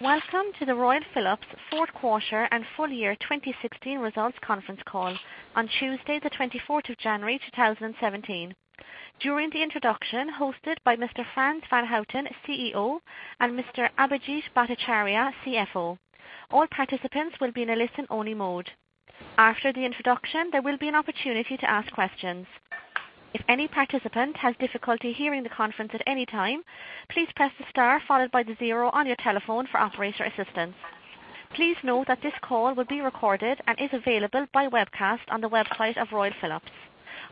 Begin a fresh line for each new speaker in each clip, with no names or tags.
Welcome to the Royal Philips fourth quarter and full year 2016 results conference call on Tuesday, the 24th of January 2017. During the introduction hosted by Mr. Frans van Houten, CEO, and Mr. Abhijit Bhattacharya, CFO, all participants will be in a listen-only mode. After the introduction, there will be an opportunity to ask questions. If any participant has difficulty hearing the conference at any time, please press the star followed by the zero on your telephone for operator assistance. Please note that this call will be recorded and is available by webcast on the website of Royal Philips.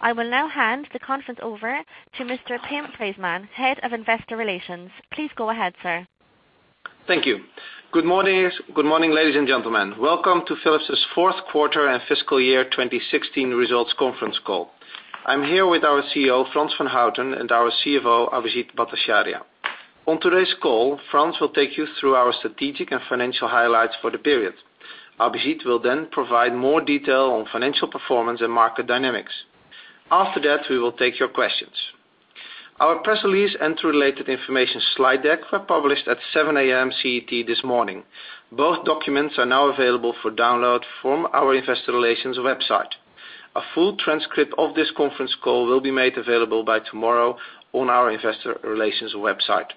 I will now hand the conference over to Mr. Pim Preesman, Head of Investor Relations. Please go ahead, sir.
Thank you. Good morning, ladies and gentlemen. Welcome to Philips' fourth quarter and fiscal year 2016 results conference call. I'm here with our CEO, Frans van Houten, and our CFO, Abhijit Bhattacharya. On today's call, Frans will take you through our strategic and financial highlights for the period. Abhijit will provide more detail on financial performance and market dynamics. After that, we will take your questions. Our press release and related information slide deck were published at 7:00 A.M. CET this morning. Both documents are now available for download from our investor relations website. A full transcript of this conference call will be made available by tomorrow on our investor relations website.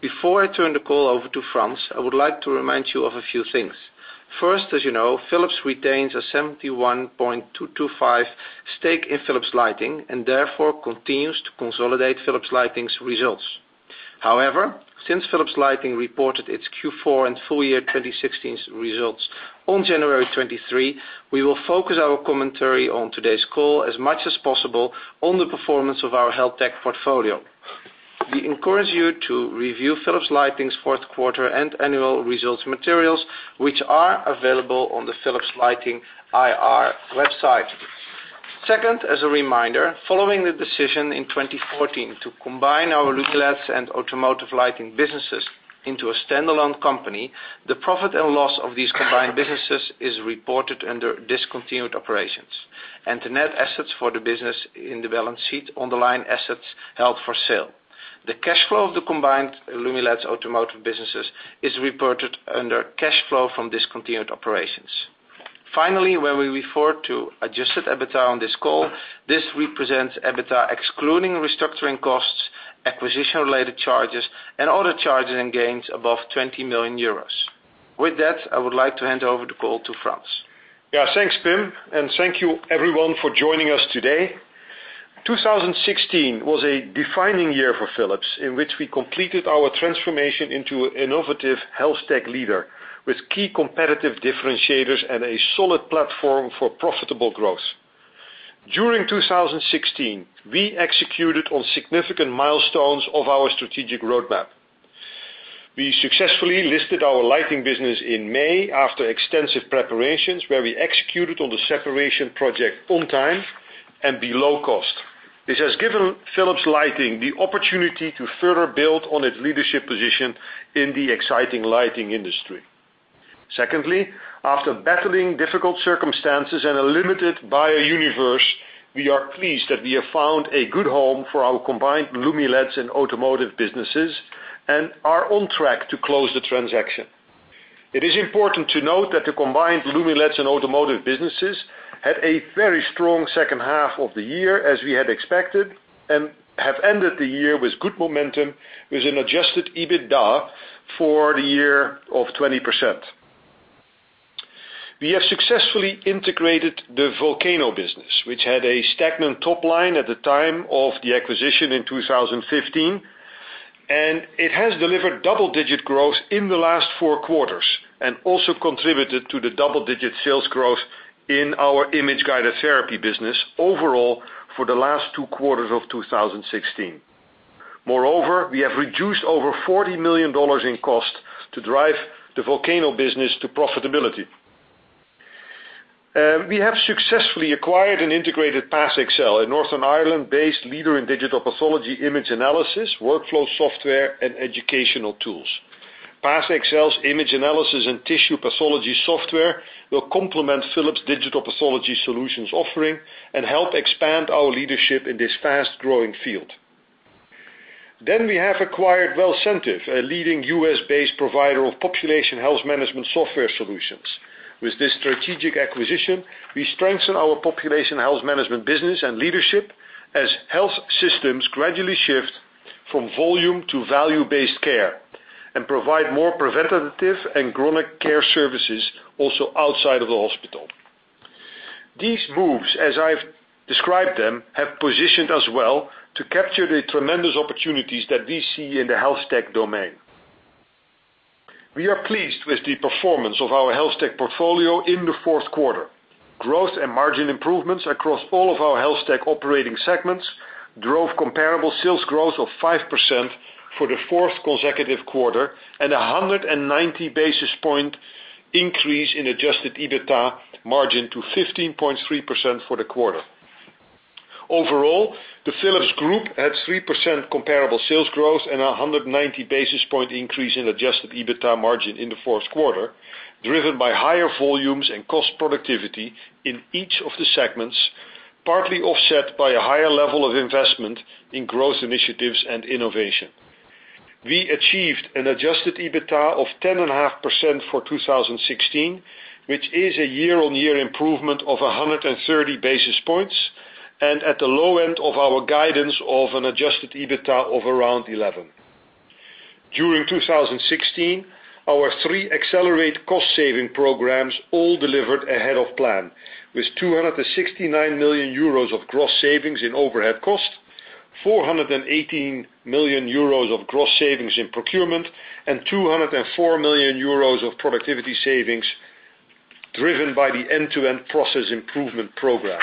Before I turn the call over to Frans, I would like to remind you of a few things. First, as you know, Philips retains a 71.225 stake in Philips Lighting and therefore continues to consolidate Philips Lighting's results. However, since Philips Lighting reported its Q4 and full year 2016 results on January 23, we will focus our commentary on today's call as much as possible on the performance of our Health Tech portfolio. We encourage you to review Philips Lighting's fourth quarter and annual results materials, which are available on the Philips Lighting IR website. Second, as a reminder, following the decision in 2014 to combine our Lumileds and Automotive Lighting businesses into a standalone company, the profit and loss of these combined businesses is reported under discontinued operations, and the net assets for the business in the balance sheet on the line assets held for sale. The cash flow of the combined Lumileds Automotive businesses is reported under cash flow from discontinued operations. Finally, when we refer to adjusted EBITDA on this call, this represents EBITDA excluding restructuring costs, acquisition-related charges, and other charges and gains above 20 million euros. With that, I would like to hand over the call to Frans.
Thanks, Pim, and thank you everyone for joining us today. 2016 was a defining year for Philips in which we completed our transformation into innovative HealthTech leader with key competitive differentiators and a solid platform for profitable growth. During 2016, we executed on significant milestones of our strategic roadmap. We successfully listed our lighting business in May after extensive preparations where we executed on the separation project on time and below cost. This has given Philips Lighting the opportunity to further build on its leadership position in the exciting lighting industry. Secondly, after battling difficult circumstances and a limited buyer universe, we are pleased that we have found a good home for our combined Lumileds and Automotive businesses and are on track to close the transaction. It is important to note that the combined Lumileds and Automotive businesses had a very strong second half of the year, as we had expected, and have ended the year with good momentum with an adjusted EBITDA for the year of 20%. We have successfully integrated the Volcano business, which had a stagnant top line at the time of the acquisition in 2015, and it has delivered double-digit growth in the last four quarters and also contributed to the double-digit sales growth in our image-guided therapy business overall for the last two quarters of 2016. Moreover, we have reduced over EUR 40 million in cost to drive the Volcano business to profitability. We have successfully acquired and integrated PathXL, a Northern Ireland-based leader in digital pathology image analysis, workflow software, and educational tools. PathXL's image analysis and tissue pathology software will complement Philips' digital pathology solutions offering and help expand our leadership in this fast-growing field. We have acquired Wellcentive, a leading U.S.-based provider of population health management software solutions. With this strategic acquisition, we strengthen our population health management business and leadership as health systems gradually shift from volume to value-based care and provide more preventative and chronic care services also outside of the hospital. These moves, as I've described them, have positioned us well to capture the tremendous opportunities that we see in the HealthTech domain. We are pleased with the performance of our HealthTech portfolio in the fourth quarter. Growth and margin improvements across all of our HealthTech operating segments drove comparable sales growth of 5% for the fourth consecutive quarter and 190 basis point increase in adjusted EBITDA margin to 15.3% for the quarter. Overall, the Philips Group had 3% comparable sales growth and 190 basis point increase in adjusted EBITDA margin in the fourth quarter, driven by higher volumes and cost productivity in each of the segments, partly offset by a higher level of investment in growth initiatives and innovation. We achieved an adjusted EBITDA of 10.5% for 2016, which is a year-on-year improvement of 130 basis points and at the low end of our guidance of an adjusted EBITDA of around 11%. During 2016, our three accelerate cost-saving programs all delivered ahead of plan, with 269 million euros of gross savings in overhead cost, 418 million euros of gross savings in procurement, and 204 million euros of productivity savings driven by the end-to-end process improvement program.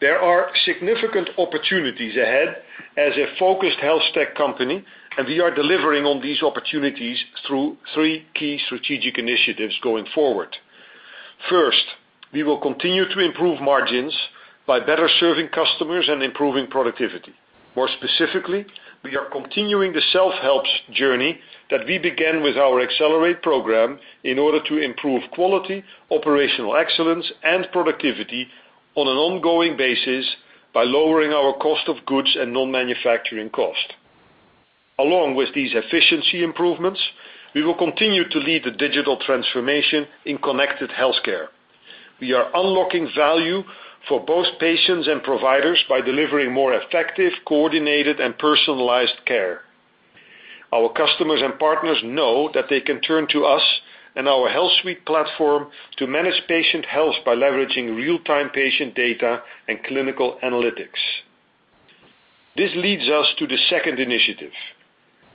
There are significant opportunities ahead as a focused HealthTech company, and we are delivering on these opportunities through three key strategic initiatives going forward. First, we will continue to improve margins by better serving customers and improving productivity. More specifically, we are continuing the self-help journey that we began with our Accelerate program in order to improve quality, operational excellence, and productivity on an ongoing basis by lowering our cost of goods and non-manufacturing cost. Along with these efficiency improvements, we will continue to lead the digital transformation in connected health care. We are unlocking value for both patients and providers by delivering more effective, coordinated, and personalized care. Our customers and partners know that they can turn to us and our HealthSuite platform to manage patient health by leveraging real-time patient data and clinical analytics. This leads us to the second initiative.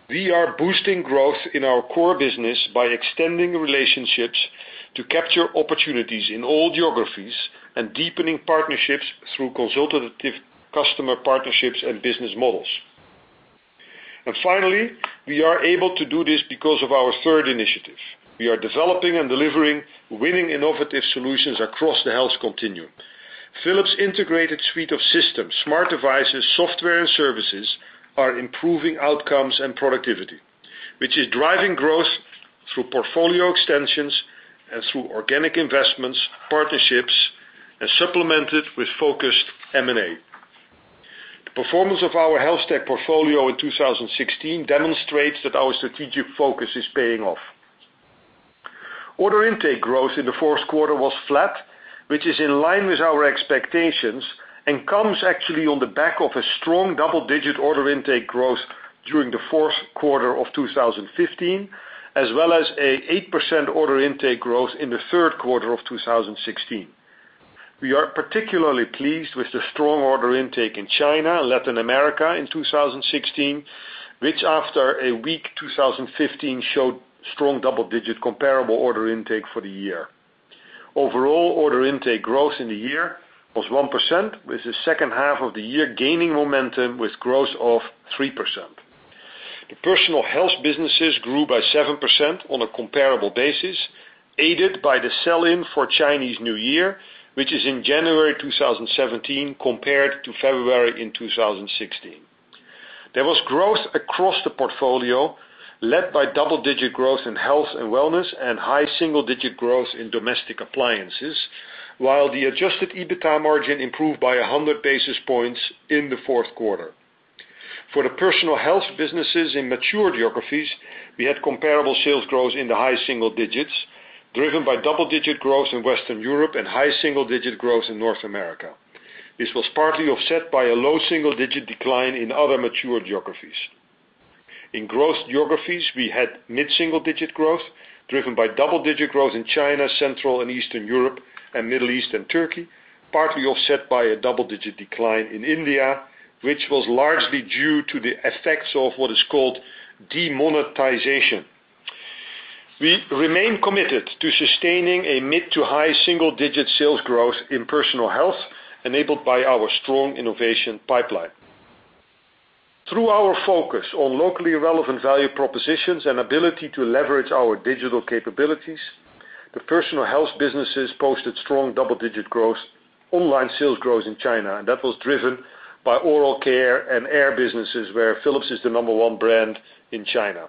We are boosting growth in our core business by extending relationships to capture opportunities in all geographies and deepening partnerships through consultative customer partnerships and business models. Finally, we are able to do this because of our third initiative. We are developing and delivering winning innovative solutions across the health continuum. Philips integrated suite of systems, smart devices, software, and services are improving outcomes and productivity, which is driving growth through portfolio extensions and through organic investments, partnerships, as supplemented with focused M&A. The performance of our HealthTech portfolio in 2016 demonstrates that our strategic focus is paying off. Order intake growth in the fourth quarter was flat, which is in line with our expectations and comes actually on the back of a strong double-digit order intake growth during the fourth quarter of 2015, as well as an 8% order intake growth in the third quarter of 2016. We are particularly pleased with the strong order intake in China and Latin America in 2016, which after a weak 2015, showed strong double-digit comparable order intake for the year. Overall order intake growth in the year was 1%, with the second half of the year gaining momentum with growth of 3%. The personal health businesses grew by 7% on a comparable basis, aided by the sell-in for Chinese New Year, which is in January 2017 compared to February in 2016. There was growth across the portfolio led by double-digit growth in health and wellness and high single-digit growth in domestic appliances, while the adjusted EBITDA margin improved by 100 basis points in the fourth quarter. For the personal health businesses in mature geographies, we had comparable sales growth in the high single digits, driven by double-digit growth in Western Europe and high single-digit growth in North America. This was partly offset by a low single-digit decline in other mature geographies. In growth geographies, we had mid-single digit growth driven by double-digit growth in China, Central and Eastern Europe, and Middle East and Turkey, partly offset by a double-digit decline in India, which was largely due to the effects of what is called demonetization. We remain committed to sustaining a mid to high single-digit sales growth in personal health enabled by our strong innovation pipeline. Through our focus on locally relevant value propositions and ability to leverage our digital capabilities, the personal health businesses posted strong double-digit growth. Online sales grows in China, and that was driven by oral care and air businesses where Philips is the number one brand in China.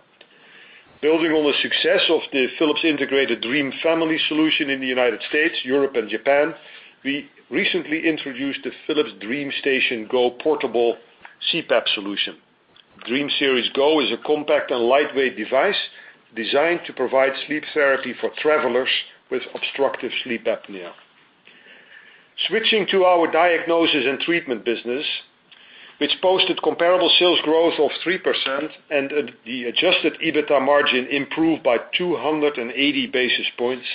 Building on the success of the Philips integrated Dream Family solution in the U.S., Europe, and Japan, we recently introduced the Philips DreamStation Go portable CPAP solution. DreamStation Go is a compact and lightweight device designed to provide sleep therapy for travelers with obstructive sleep apnea. Switching to our Diagnosis & Treatment business, which posted comparable sales growth of 3% and the adjusted EBITDA margin improved by 280 basis points,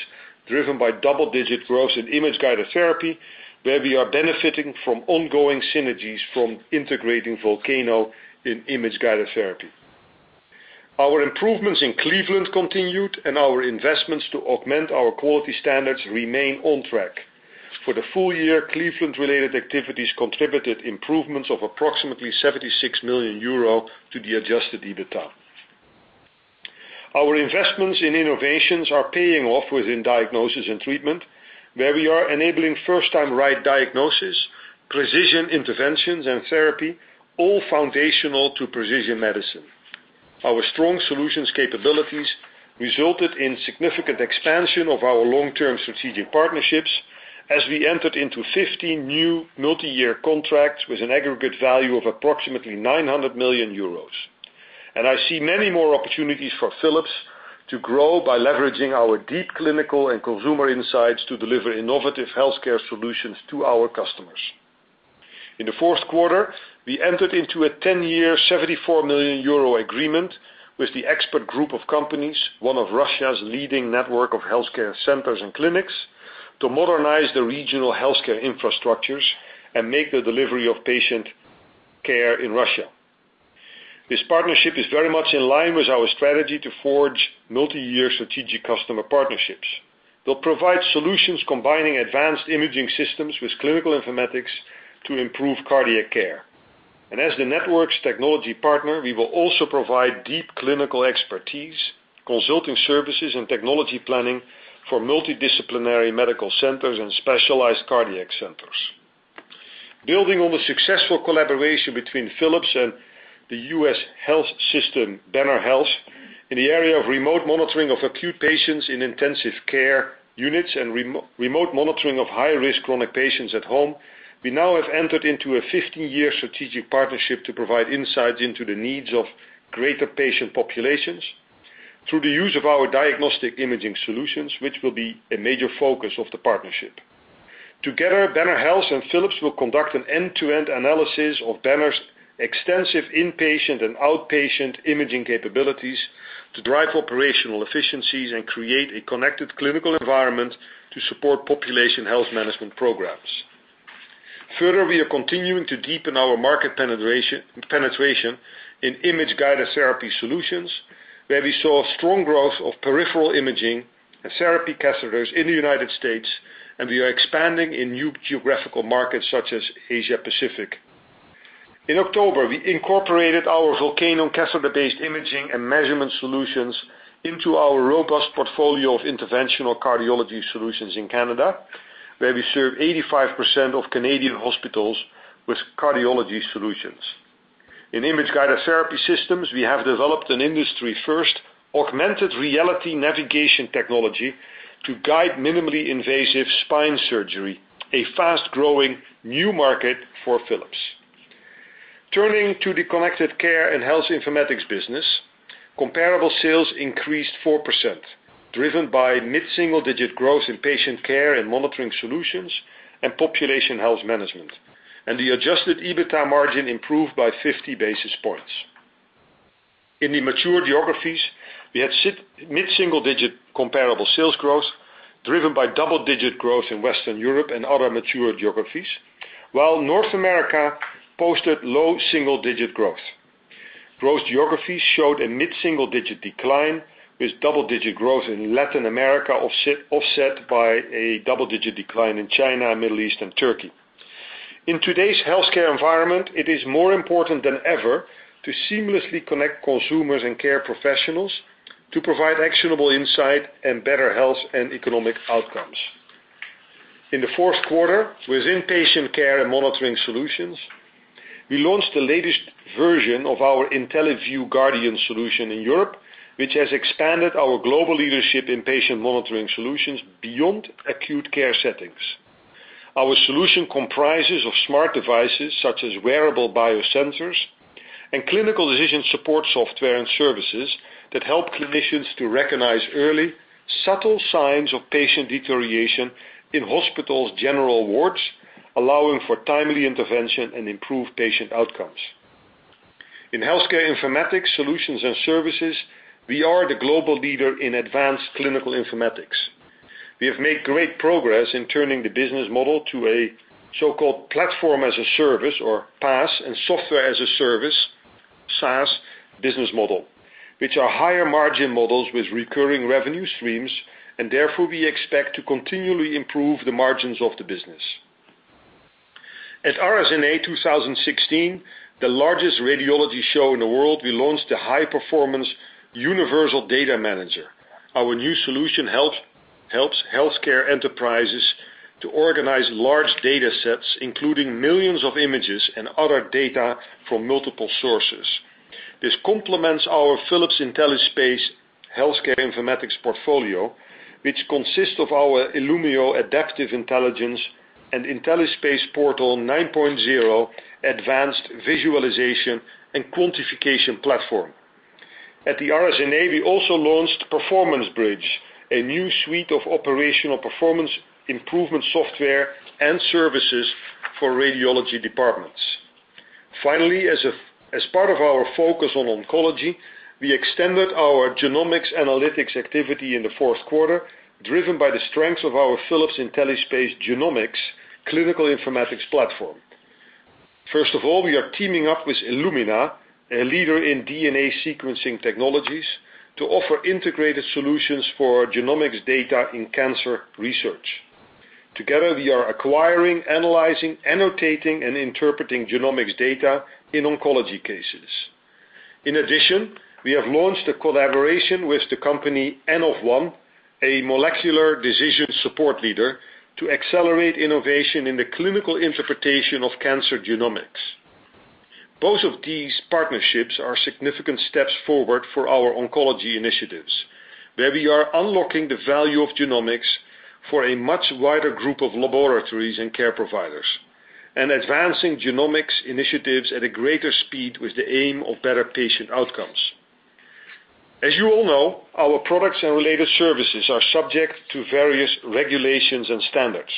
driven by double-digit growth in image-guided therapy, where we are benefiting from ongoing synergies from integrating Volcano in image-guided therapy. Our improvements in Cleveland continued and our investments to augment our quality standards remain on track. For the full year, Cleveland-related activities contributed improvements of approximately 76 million euro to the adjusted EBITDA. Our investments in innovations are paying off within Diagnosis & Treatment, where we are enabling first-time right diagnosis, precision interventions, and therapy, all foundational to precision medicine. Our strong solutions capabilities resulted in significant expansion of our long-term strategic partnerships. We entered into 15 new multi-year contracts with an aggregate value of approximately 900 million euros. I see many more opportunities for Philips to grow by leveraging our deep clinical and consumer insights to deliver innovative healthcare solutions to our customers. In the fourth quarter, we entered into a 10-year, 74 million euro agreement with the Expert Group of Companies, one of Russia's leading network of healthcare centers and clinics, to modernize the regional healthcare infrastructures and make the delivery of patient care in Russia. This partnership is very much in line with our strategy to forge multi-year strategic customer partnerships. They'll provide solutions combining advanced imaging systems with clinical informatics to improve cardiac care. As the network's technology partner, we will also provide deep clinical expertise, consulting services, and technology planning for multidisciplinary medical centers and specialized cardiac centers. Building on the successful collaboration between Philips and the U.S. health system, Banner Health, in the area of remote monitoring of acute patients in intensive care units and remote monitoring of high-risk chronic patients at home, we now have entered into a 15-year strategic partnership to provide insights into the needs of greater patient populations through the use of our diagnostic imaging solutions, which will be a major focus of the partnership. Together, Banner Health and Philips will conduct an end-to-end analysis of Banner's extensive inpatient and outpatient imaging capabilities to drive operational efficiencies and create a connected clinical environment to support population health management programs. Further, we are continuing to deepen our market penetration in image-guided therapy solutions, where we saw strong growth of peripheral imaging and therapy catheters in the U.S., and we are expanding in new geographical markets such as Asia-Pacific. In October, we incorporated our Volcano catheter-based imaging and measurement solutions into our robust portfolio of interventional cardiology solutions in Canada, where we serve 85% of Canadian hospitals with cardiology solutions. In image-guided therapy systems, we have developed an industry-first augmented reality navigation technology to guide minimally invasive spine surgery, a fast-growing new market for Philips. Turning to the Connected Care & Health Informatics business, comparable sales increased 4%, driven by mid-single digit growth in patient care and monitoring solutions and population health management, and the adjusted EBITDA margin improved by 50 basis points. In the mature geographies, we had mid-single-digit comparable sales growth, driven by double-digit growth in Western Europe and other mature geographies, while North America posted low-single-digit growth. Growth geographies showed a mid-single-digit decline, with double-digit growth in Latin America offset by a double-digit decline in China, Middle East, and Turkey. In today's healthcare environment, it is more important than ever to seamlessly connect consumers and care professionals to provide actionable insight and better health and economic outcomes. In the fourth quarter within patient care and monitoring solutions, we launched the latest version of our IntelliVue Guardian solution in Europe, which has expanded our global leadership in patient monitoring solutions beyond acute care settings. Our solution comprises of smart devices such as wearable biosensors and clinical decision support software and services that help clinicians to recognize early, subtle signs of patient deterioration in hospitals' general wards, allowing for timely intervention and improved patient outcomes. In healthcare informatics solutions and services, we are the global leader in advanced clinical informatics. We have made great progress in turning the business model to a so-called Platform as a Service, or PaaS, and Software as a Service, SaaS, business model, which are higher margin models with recurring revenue streams. Therefore, we expect to continually improve the margins of the business. At RSNA 2016, the largest radiology show in the world, we launched the high-performance universal data manager. Our new solution helps healthcare enterprises to organize large data sets, including millions of images and other data from multiple sources. This complements our Philips IntelliSpace healthcare informatics portfolio, which consists of our Illumeo adaptive intelligence and IntelliSpace Portal 9.0 advanced visualization and quantification platform. At the RSNA, we also launched PerformanceBridge, a new suite of operational performance improvement software and services for radiology departments. Finally, as part of our focus on oncology, we extended our genomics analytics activity in the fourth quarter, driven by the strength of our Philips IntelliSpace Genomics clinical informatics platform. First of all, we are teaming up with Illumina, a leader in DNA sequencing technologies, to offer integrated solutions for genomics data in cancer research. Together, we are acquiring, analyzing, annotating, and interpreting genomics data in oncology cases. In addition, we have launched a collaboration with the company N-of-One, a molecular decision support leader, to accelerate innovation in the clinical interpretation of cancer genomics. Both of these partnerships are significant steps forward for our oncology initiatives, where we are unlocking the value of genomics for a much wider group of laboratories and care providers, advancing genomics initiatives at a greater speed with the aim of better patient outcomes. As you all know, our products and related services are subject to various regulations and standards.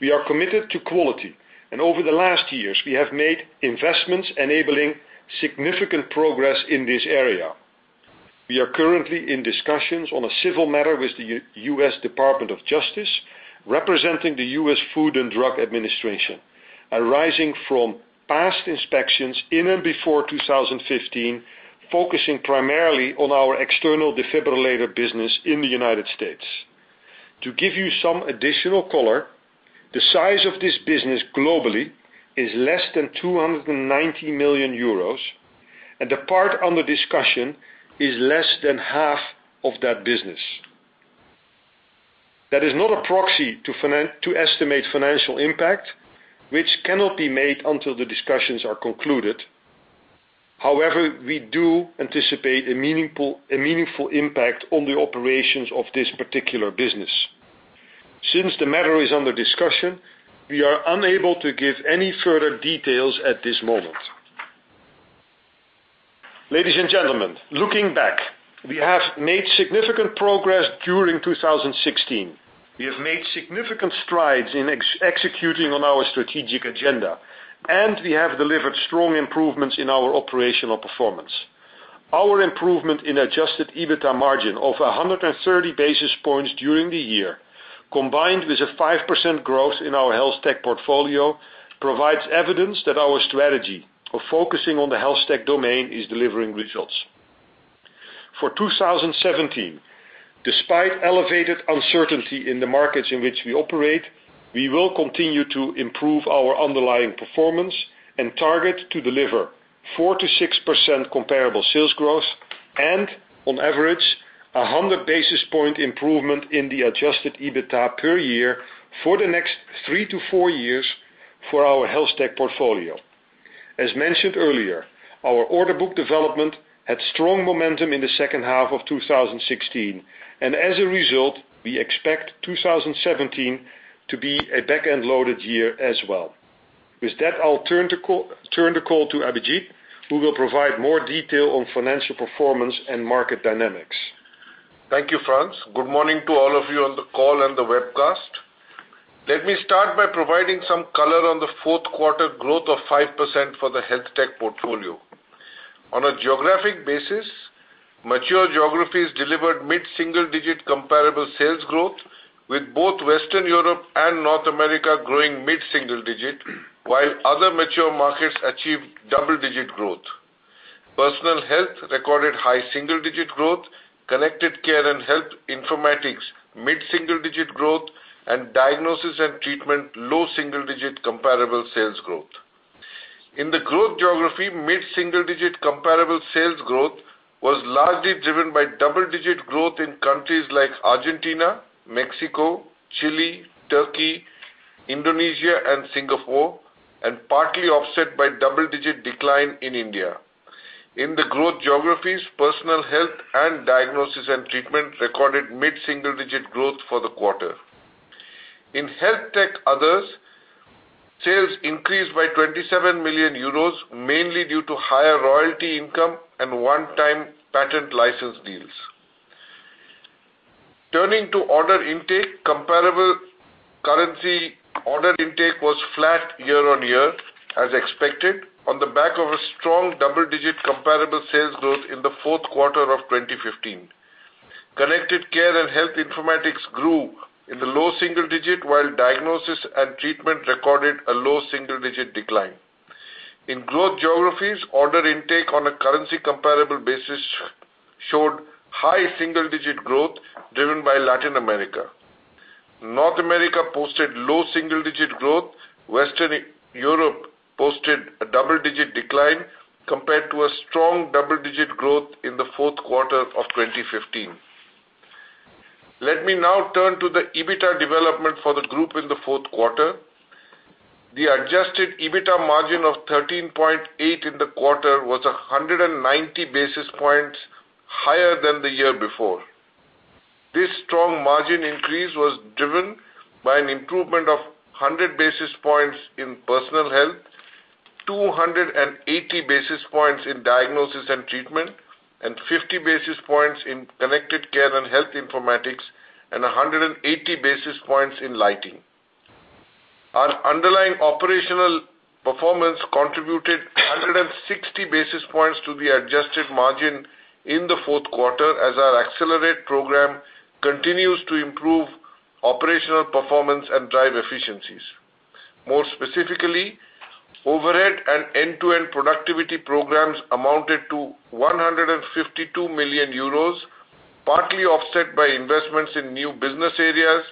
We are committed to quality, and over the last years, we have made investments enabling significant progress in this area. We are currently in discussions on a civil matter with the U.S. Department of Justice, representing the U.S. Food and Drug Administration, arising from past inspections in and before 2015, focusing primarily on our external defibrillator business in the United States. To give you some additional color, the size of this business globally is less than 290 million euros, and the part under discussion is less than half of that business. That is not a proxy to estimate financial impact, which cannot be made until the discussions are concluded. However, we do anticipate a meaningful impact on the operations of this particular business. Since the matter is under discussion, we are unable to give any further details at this moment. Ladies and gentlemen, looking back, we have made significant progress during 2016. We have made significant strides in executing on our strategic agenda, and we have delivered strong improvements in our operational performance. Our improvement in adjusted EBITA margin of 130 basis points during the year, combined with a 5% growth in our HealthTech portfolio, provides evidence that our strategy of focusing on the HealthTech domain is delivering results. For 2017, despite elevated uncertainty in the markets in which we operate, we will continue to improve our underlying performance and target to deliver 4%-6% comparable sales growth and on average, 100 basis point improvement in the adjusted EBITA per year for the next three to four years for our HealthTech portfolio. As mentioned earlier, our order book development had strong momentum in the second half of 2016, and as a result, we expect 2017 to be a back-end loaded year as well. With that, I'll turn the call to Abhijit, who will provide more detail on financial performance and market dynamics.
Thank you, Frans. Good morning to all of you on the call and the webcast. Let me start by providing some color on the fourth quarter growth of 5% for the HealthTech portfolio. On a geographic basis, mature geographies delivered mid-single digit comparable sales growth, with both Western Europe and North America growing mid-single digit, while other mature markets achieved double-digit growth. Personal Health recorded high single-digit growth, Connected Care & Health Informatics mid-single digit growth, and Diagnosis & Treatment, low single-digit comparable sales growth. In the growth geography, mid-single digit comparable sales growth was largely driven by double-digit growth in countries like Argentina, Mexico, Chile, Turkey, Indonesia, and Singapore, and partly offset by double-digit decline in India. In the growth geographies, Personal Health and Diagnosis & Treatment recorded mid-single digit growth for the quarter. In HealthTech Other, sales increased by 27 million euros, mainly due to higher royalty income and one-time patent license deals. Turning to order intake, comparable currency order intake was flat year-on-year, as expected, on the back of a strong double-digit comparable sales growth in the fourth quarter of 2015. Connected Care & Health Informatics grew in the low single digit, while Diagnosis & Treatment recorded a low single-digit decline. In growth geographies, order intake on a currency comparable basis showed high single-digit growth driven by Latin America. North America posted low single-digit growth. Western Europe posted a double-digit decline compared to a strong double-digit growth in the fourth quarter of 2015. Let me now turn to the EBITA development for the group in the fourth quarter. The adjusted EBITA margin of 13.8% in the quarter was 190 basis points higher than the year before. This strong margin increase was driven by an improvement of 100 basis points in Personal Health, 280 basis points in Diagnosis & Treatment, 50 basis points in Connected Care & Health Informatics, and 180 basis points in Lighting. Our underlying operational performance contributed 160 basis points to the adjusted margin in the fourth quarter as our Accelerate program continues to improve operational performance and drive efficiencies. More specifically, overhead and end-to-end productivity programs amounted to 152 million euros, partly offset by investments in new business areas,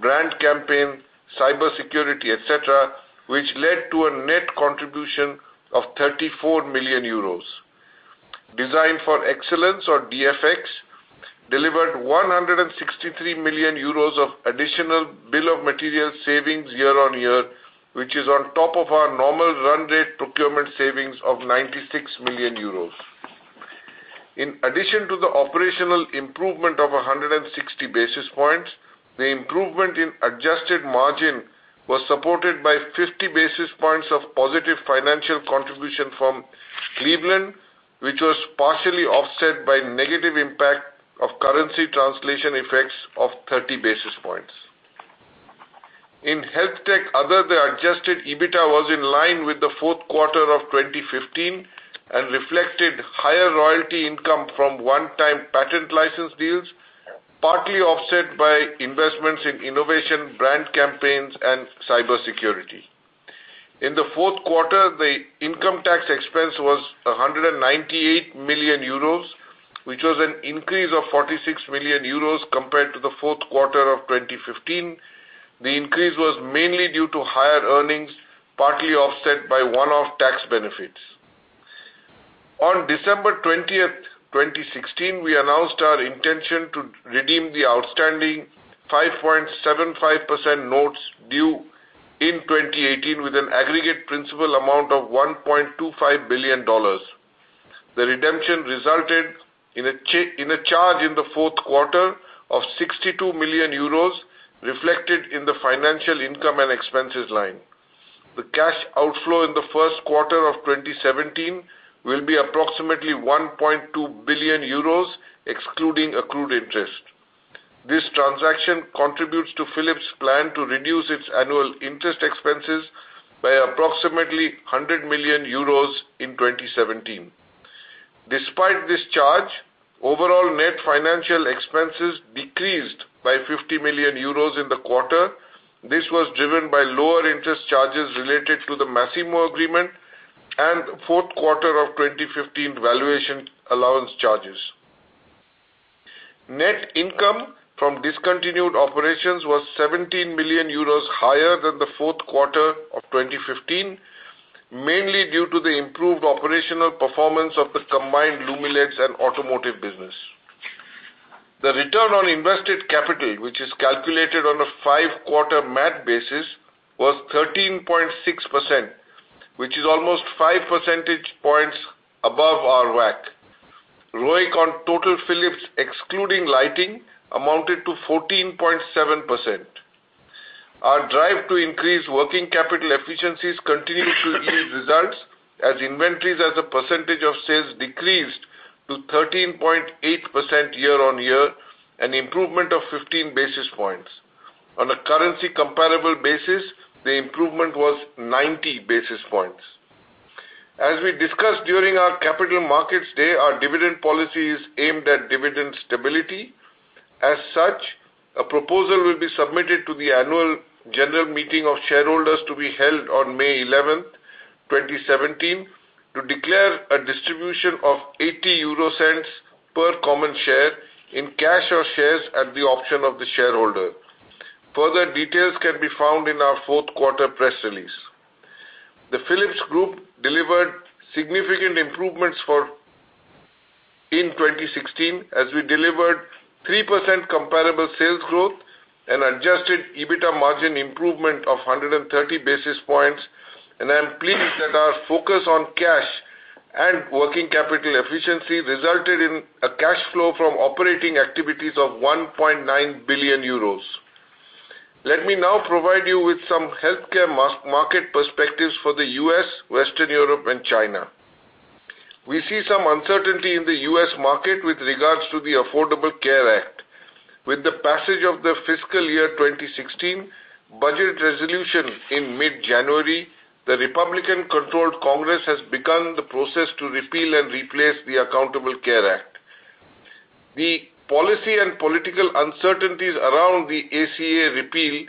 brand campaign, cybersecurity, et cetera, which led to a net contribution of 34 million euros. Design for Excellence or DFX, delivered 163 million euros of additional bill of material savings year-on-year, which is on top of our normal run rate procurement savings of 96 million euros. In addition to the operational improvement of 160 basis points, the improvement in adjusted margin was supported by 50 basis points of positive financial contribution from Cleveland, which was partially offset by negative impact of currency translation effects of 30 basis points. In HealthTech Other, adjusted EBITDA was in line with the fourth quarter of 2015 and reflected higher royalty income from one-time patent license deals, partly offset by investments in innovation, brand campaigns, and cybersecurity. In the fourth quarter, the income tax expense was 198 million euros, which was an increase of 46 million euros compared to the fourth quarter of 2015. The increase was mainly due to higher earnings, partly offset by one-off tax benefits. On December 20th, 2016, we announced our intention to redeem the outstanding 5.75% notes due in 2018 with an aggregate principal amount of $1.25 billion. The redemption resulted in a charge in the fourth quarter of 62 million euros reflected in the financial income and expenses line. The cash outflow in the first quarter of 2017 will be approximately 1.2 billion euros, excluding accrued interest. This transaction contributes to Philips' plan to reduce its annual interest expenses by approximately 100 million euros in 2017. Despite this charge, overall net financial expenses decreased by 50 million euros in the quarter. This was driven by lower interest charges related to the Masimo agreement and fourth quarter of 2015 valuation allowance charges. Net income from discontinued operations was 17 million euros higher than the fourth quarter of 2015, mainly due to the improved operational performance of the combined Lumileds and Automotive Lighting business. The Return on Invested Capital, which is calculated on a five-quarter math basis, was 13.6%, which is almost five percentage points above our WACC. ROIC on total Philips excluding Lighting amounted to 14.7%. Our drive to increase working capital efficiencies continue to yield results as inventories as a percentage of sales decreased to 13.8% year-on-year, an improvement of 15 basis points. On a currency comparable basis, the improvement was 90 basis points. As we discussed during our Capital Markets Day, our dividend policy is aimed at dividend stability. As such, a proposal will be submitted to the annual general meeting of shareholders to be held on May 11th, 2017, to declare a distribution of 0.80 per common share in cash or shares at the option of the shareholder. Further details can be found in our fourth quarter press release. The Philips Group delivered significant improvements in 2016 as we delivered 3% comparable sales growth and adjusted EBITDA margin improvement of 130 basis points. I'm pleased that our focus on cash and working capital efficiency resulted in a cash flow from operating activities of 1.9 billion euros. Let me now provide you with some healthcare market perspectives for the U.S., Western Europe, and China. We see some uncertainty in the U.S. market with regards to the Affordable Care Act. With the passage of the fiscal year 2016 budget resolution in mid-January, the Republican-controlled Congress has begun the process to repeal and replace the Affordable Care Act. The policy and political uncertainties around the ACA repeal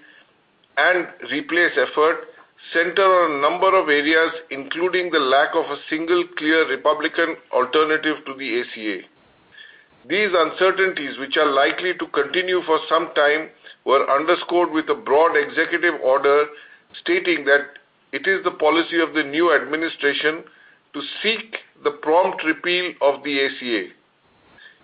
and replace effort center on a number of areas, including the lack of a single clear Republican alternative to the ACA. These uncertainties, which are likely to continue for some time, were underscored with a broad executive order stating that it is the policy of the new administration to seek the prompt repeal of the ACA.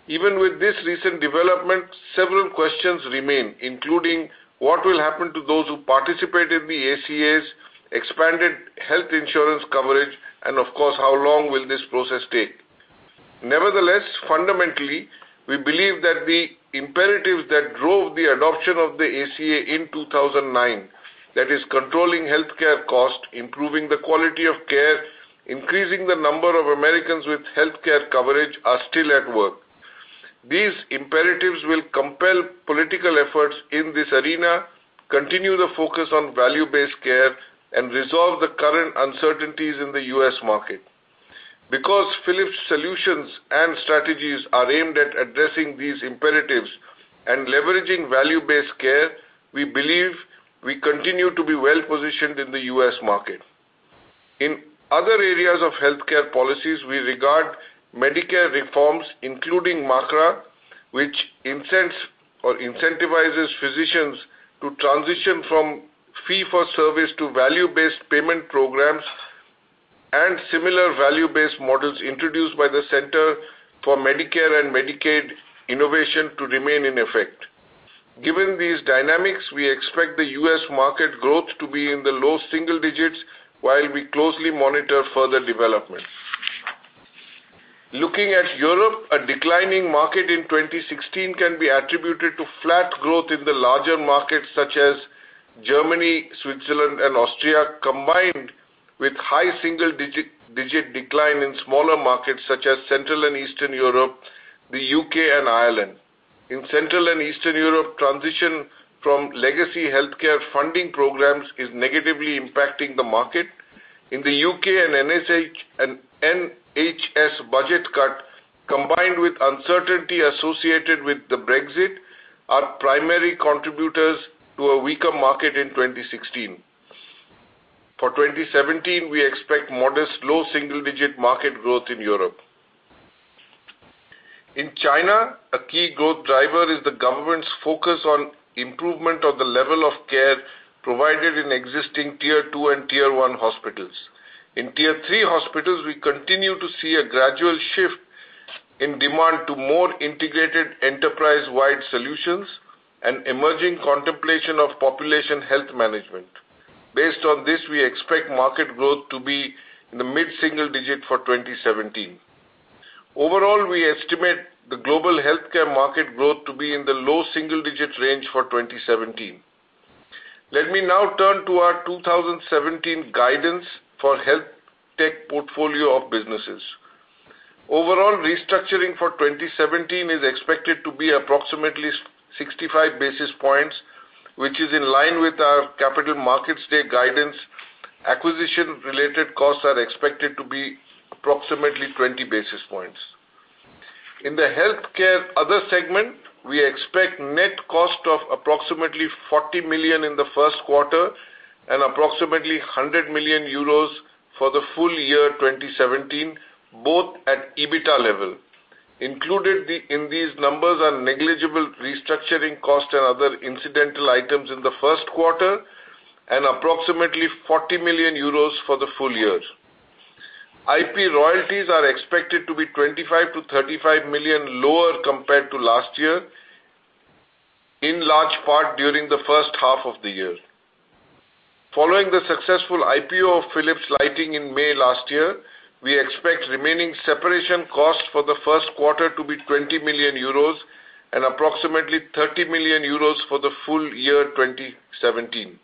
Even with this recent development, several questions remain, including what will happen to those who participated in the ACA's expanded health insurance coverage, and of course, how long will this process take. Nevertheless, fundamentally, we believe that the imperatives that drove the adoption of the ACA in 2009, that is controlling healthcare cost, improving the quality of care, increasing the number of Americans with healthcare coverage, are still at work. These imperatives will compel political efforts in this arena, continue the focus on value-based care, and resolve the current uncertainties in the U.S. market. Because Philips solutions and strategies are aimed at addressing these imperatives and leveraging value-based care, we believe we continue to be well-positioned in the U.S. market. In other areas of healthcare policies, we regard Medicare reforms, including MACRA Which incents or incentivizes physicians to transition from fee for service to value-based payment programs and similar value-based models introduced by the Center for Medicare and Medicaid Innovation to remain in effect. Given these dynamics, we expect the U.S. market growth to be in the low single digits while we closely monitor further development. Looking at Europe, a declining market in 2016 can be attributed to flat growth in the larger markets such as Germany, Switzerland, and Austria, combined with high single-digit decline in smaller markets such as Central and Eastern Europe, the U.K., and Ireland. In Central and Eastern Europe, transition from legacy healthcare funding programs is negatively impacting the market. In the U.K. and NHS, budget cut, combined with uncertainty associated with the Brexit, are primary contributors to a weaker market in 2016. For 2017, we expect modest low single-digit market growth in Europe. In China, a key growth driver is the government's focus on improvement of the level of care provided in existing Tier 2 and Tier 1 hospitals. In Tier 3 hospitals, we continue to see a gradual shift in demand to more integrated enterprise-wide solutions and emerging contemplation of population health management. Based on this, we expect market growth to be in the mid-single digit for 2017. Overall, we estimate the global healthcare market growth to be in the low single-digit range for 2017. Let me now turn to our 2017 guidance for HealthTech portfolio of businesses. Overall, restructuring for 2017 is expected to be approximately 65 basis points, which is in line with our Capital Markets Day guidance. Acquisition-related costs are expected to be approximately 20 basis points. In the healthcare other segment, we expect net cost of approximately 40 million in the first quarter and approximately 100 million euros for the full year 2017, both at EBITA level. Included in these numbers are negligible restructuring costs and other incidental items in the first quarter and approximately 40 million euros for the full year. IP royalties are expected to be 25 million to 35 million lower compared to last year, in large part during the first half of the year. Following the successful IPO of Philips Lighting in May last year, we expect remaining separation costs for the first quarter to be 20 million euros and approximately 30 million euros for the full year 2017.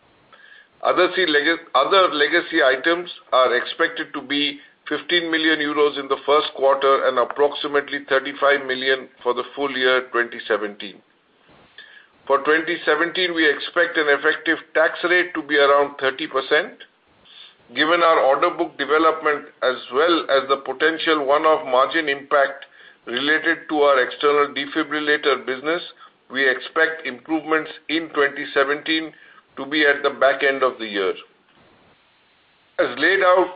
Other legacy items are expected to be 15 million euros in the first quarter and approximately 35 million for the full year 2017. For 2017, we expect an effective tax rate to be around 30%. Given our order book development as well as the potential one-off margin impact related to our external defibrillator business, we expect improvements in 2017 to be at the back end of the year. As laid out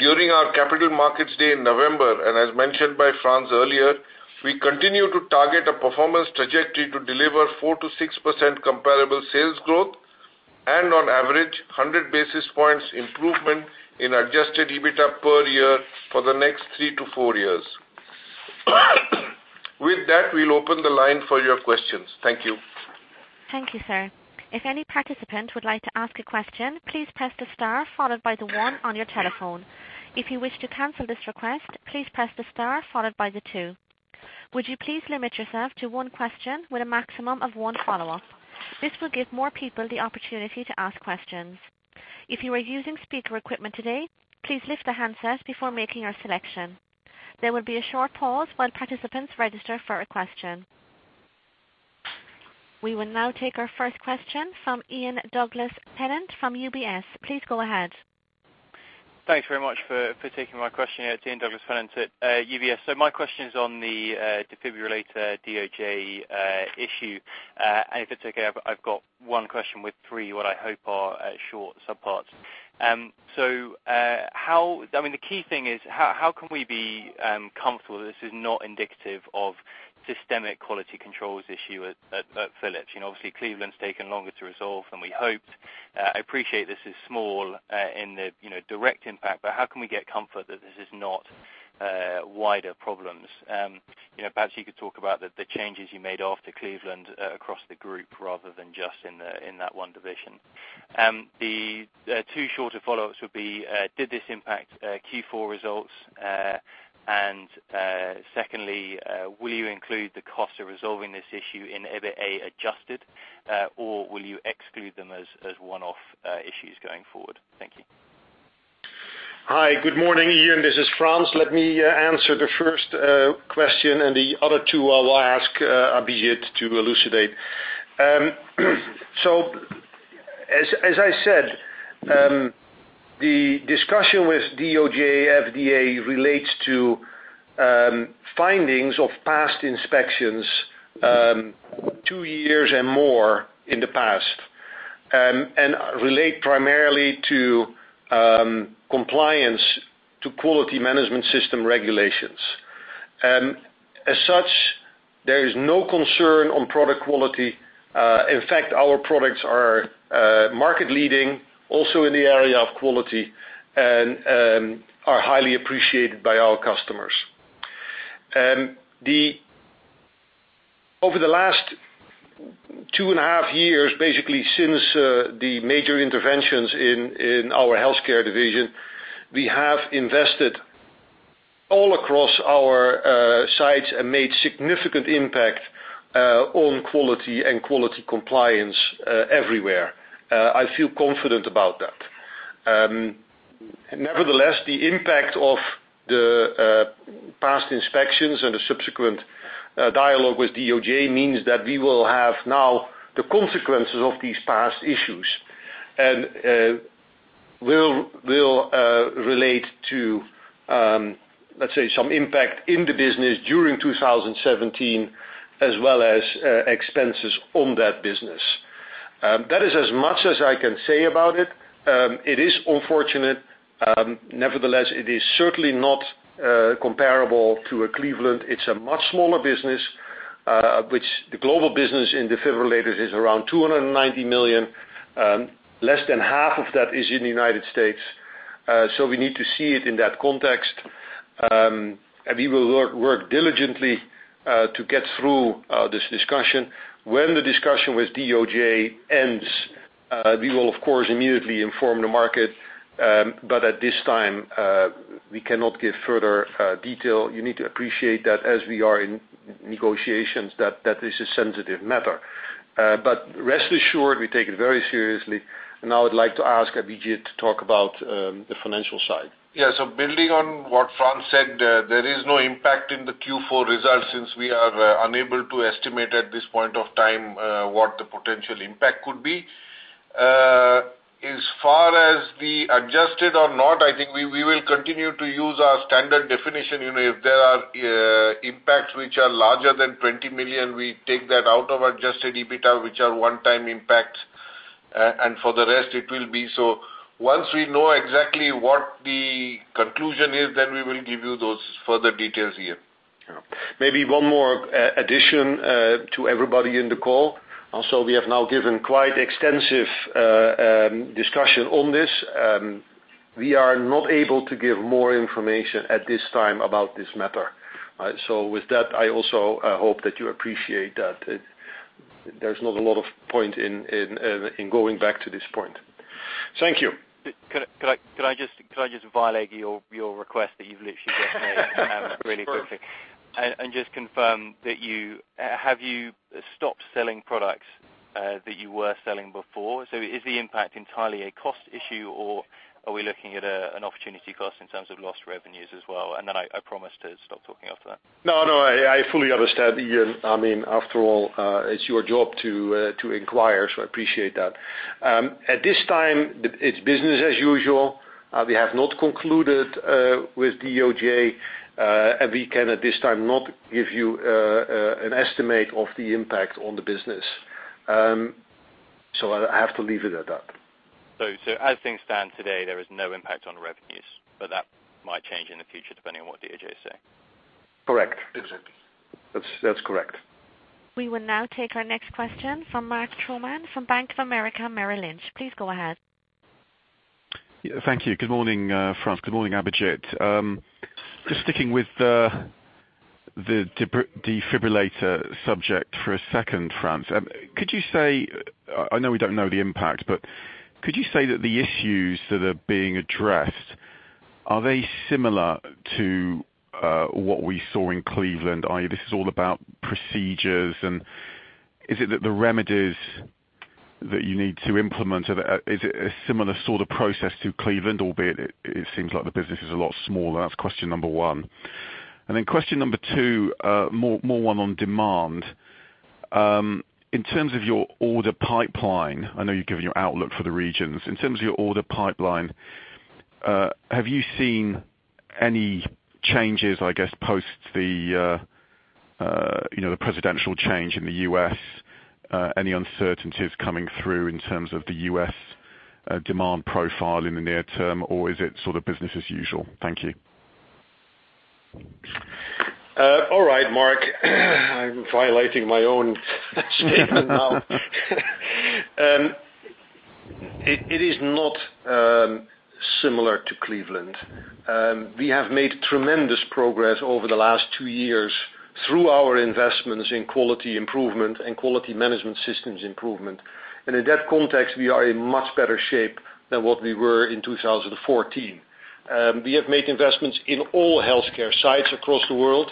during our Capital Markets Day in November, and as mentioned by Frans earlier, we continue to target a performance trajectory to deliver 4%-6% comparable sales growth and on average, 100 basis points improvement in adjusted EBITA per year for the next three to four years. With that, we will open the line for your questions. Thank you.
Thank you, sir. If any participant would like to ask a question, please press the star followed by the one on your telephone. If you wish to cancel this request, please press the star followed by the two. Would you please limit yourself to one question with a maximum of one follow-up? This will give more people the opportunity to ask questions. If you are using speaker equipment today, please lift the handset before making your selection. There will be a short pause while participants register for a question. We will now take our first question from Ian Douglas-Pennant from UBS. Please go ahead.
Thanks very much for taking my question. It is Ian Douglas-Pennant at UBS. My question is on the defibrillator DOJ issue. If it is okay, I have got one question with three, what I hope are short subparts. The key thing is, how can we be comfortable this is not indicative of systemic quality controls issue at Philips? Obviously, Cleveland has taken longer to resolve than we hoped. I appreciate this is small in the direct impact, but how can we get comfort that this is not wider problems? Perhaps you could talk about the changes you made after Cleveland across the group rather than just in that one division. The two shorter follow-ups would be, did this impact Q4 results? Secondly, will you include the cost of resolving this issue in EBITA adjusted, or will you exclude them as one-off issues going forward? Thank you.
Hi, good morning, Ian. This is Frans. Let me answer the first question, and the other two, I will ask Abhijit to elucidate. As I said, the discussion with DOJ, FDA relates to findings of past inspections. Years and more in the past, relate primarily to compliance to quality management system regulations. As such, there is no concern on product quality. In fact, our products are market leading, also in the area of quality, and are highly appreciated by our customers. Over the last two and a half years, basically since the major interventions in our healthcare division, we have invested all across our sites and made significant impact on quality and quality compliance everywhere. I feel confident about that. The impact of the past inspections and the subsequent dialogue with DOJ means that we will have now the consequences of these past issues, and will relate to, let's say, some impact in the business during 2017, as well as expenses on that business. That is as much as I can say about it. It is unfortunate. It is certainly not comparable to a Cleveland. It's a much smaller business. The global business in defibrillators is around 290 million. Less than half of that is in the United States. We need to see it in that context. We will work diligently to get through this discussion. When the discussion with DOJ ends, we will, of course, immediately inform the market. At this time, we cannot give further detail. You need to appreciate that as we are in negotiations, that is a sensitive matter. Rest assured, we take it very seriously. Now I'd like to ask Abhijit to talk about the financial side.
Yeah. Building on what Frans said, there is no impact in the Q4 results since we are unable to estimate at this point of time what the potential impact could be. As far as the adjusted or not, I think we will continue to use our standard definition. If there are impacts which are larger than 20 million, we take that out of adjusted EBITDA, which are one-time impacts. For the rest, it will be so. Once we know exactly what the conclusion is, then we will give you those further details here.
Maybe one more addition to everybody in the call. Also, we have now given quite extensive discussion on this. We are not able to give more information at this time about this matter. With that, I also hope that you appreciate that there's not a lot of point in going back to this point. Thank you.
Could I just violate your request that you've literally just made?
Of course.
Just confirm, have you stopped selling products that you were selling before? Is the impact entirely a cost issue, or are we looking at an opportunity cost in terms of lost revenues as well? Then I promise to stop talking after that.
No, I fully understand, Ian. After all, it's your job to inquire. I appreciate that. At this time, it's business as usual. We have not concluded with DOJ, and we can at this time not give you an estimate of the impact on the business. I have to leave it at that.
As things stand today, there is no impact on revenues, but that might change in the future depending on what DOJ say.
Correct.
Exactly.
That's correct.
We will now take our next question from Mark Troman from Bank of America Merrill Lynch. Please go ahead.
Thank you. Good morning, Frans. Good morning, Abhijit. Just sticking with the defibrillator subject for a second, Frans, I know we don't know the impact, but could you say that the issues that are being addressed, are they similar to what we saw in Cleveland? This is all about procedures and is it that the remedies that you need to implement, is it a similar sort of process to Cleveland, albeit it seems like the business is a lot smaller? That's question number one. Question number two, more one on demand. In terms of your order pipeline, I know you've given your outlook for the regions. In terms of your order pipeline, have you seen any changes, I guess, post the presidential change in the U.S., any uncertainties coming through in terms of the U.S. demand profile in the near term, or is it sort of business as usual? Thank you.
All right, Mark. I'm violating my own statement now. It is not similar to Cleveland. We have made tremendous progress over the last two years through our investments in quality improvement and quality management systems improvement. In that context, we are in much better shape than what we were in 2014. We have made investments in all healthcare sites across the world,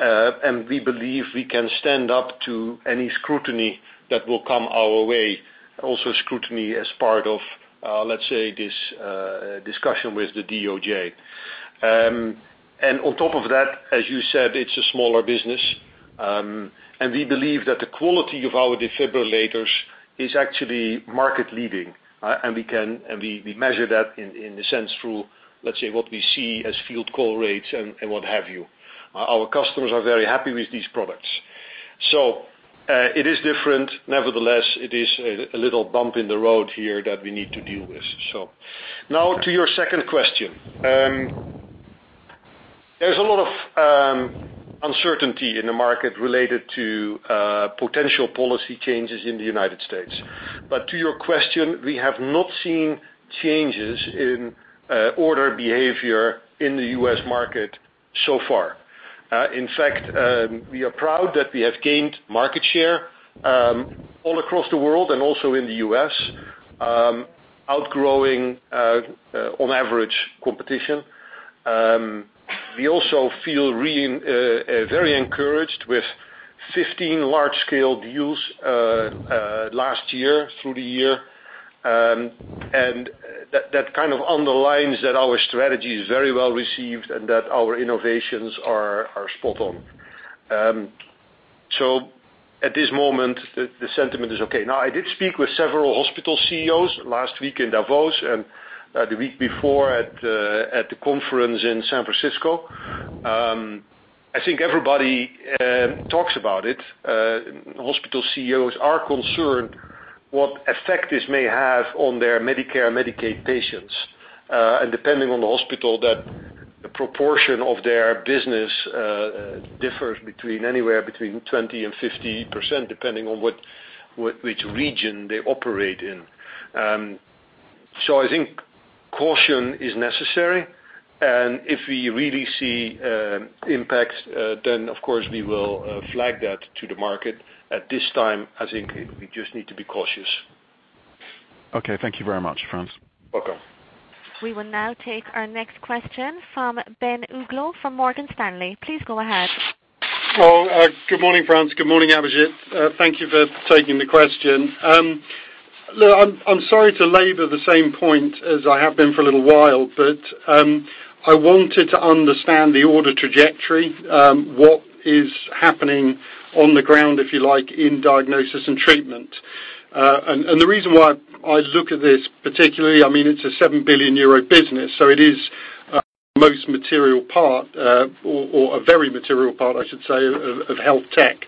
and we believe we can stand up to any scrutiny that will come our way. Also scrutiny as part of, let's say, this discussion with the DOJ. On top of that, as you said, it's a smaller business. We believe that the quality of our defibrillators is actually market leading. We measure that in the sense through, let's say, what we see as field call rates and what have you. Our customers are very happy with these products. It is different. Nevertheless, it is a little bump in the road here that we need to deal with. Now to your second question. There's a lot of uncertainty in the market related to potential policy changes in the United States. To your question, we have not seen changes in order behavior in the U.S. market so far. In fact, we are proud that we have gained market share, all across the world and also in the U.S., outgrowing, on average, competition. We also feel very encouraged with 15 large-scale deals last year, through the year. That kind of underlines that our strategy is very well-received and that our innovations are spot on. At this moment, the sentiment is okay. Now, I did speak with several hospital CEOs last week in Davos and the week before at the conference in San Francisco. I think everybody talks about it. Hospital CEOs are concerned what effect this may have on their Medicare, Medicaid patients. Depending on the hospital, that proportion of their business differs anywhere between 20% and 50%, depending on which region they operate in. I think caution is necessary, and if we really see impacts, then of course we will flag that to the market. At this time, I think we just need to be cautious.
Okay. Thank you very much, Frans.
Welcome.
We will now take our next question from Ben Uglow from Morgan Stanley. Please go ahead.
Well, good morning, Frans. Good morning, Abhijit. Thank you for taking the question. Look, I'm sorry to labor the same point as I have been for a little while, but I wanted to understand the order trajectory, what is happening on the ground, if you like, in diagnosis and treatment. The reason why I look at this particularly, it's a 7 billion euro business, so it is most material part, or a very material part, I should say, of health tech.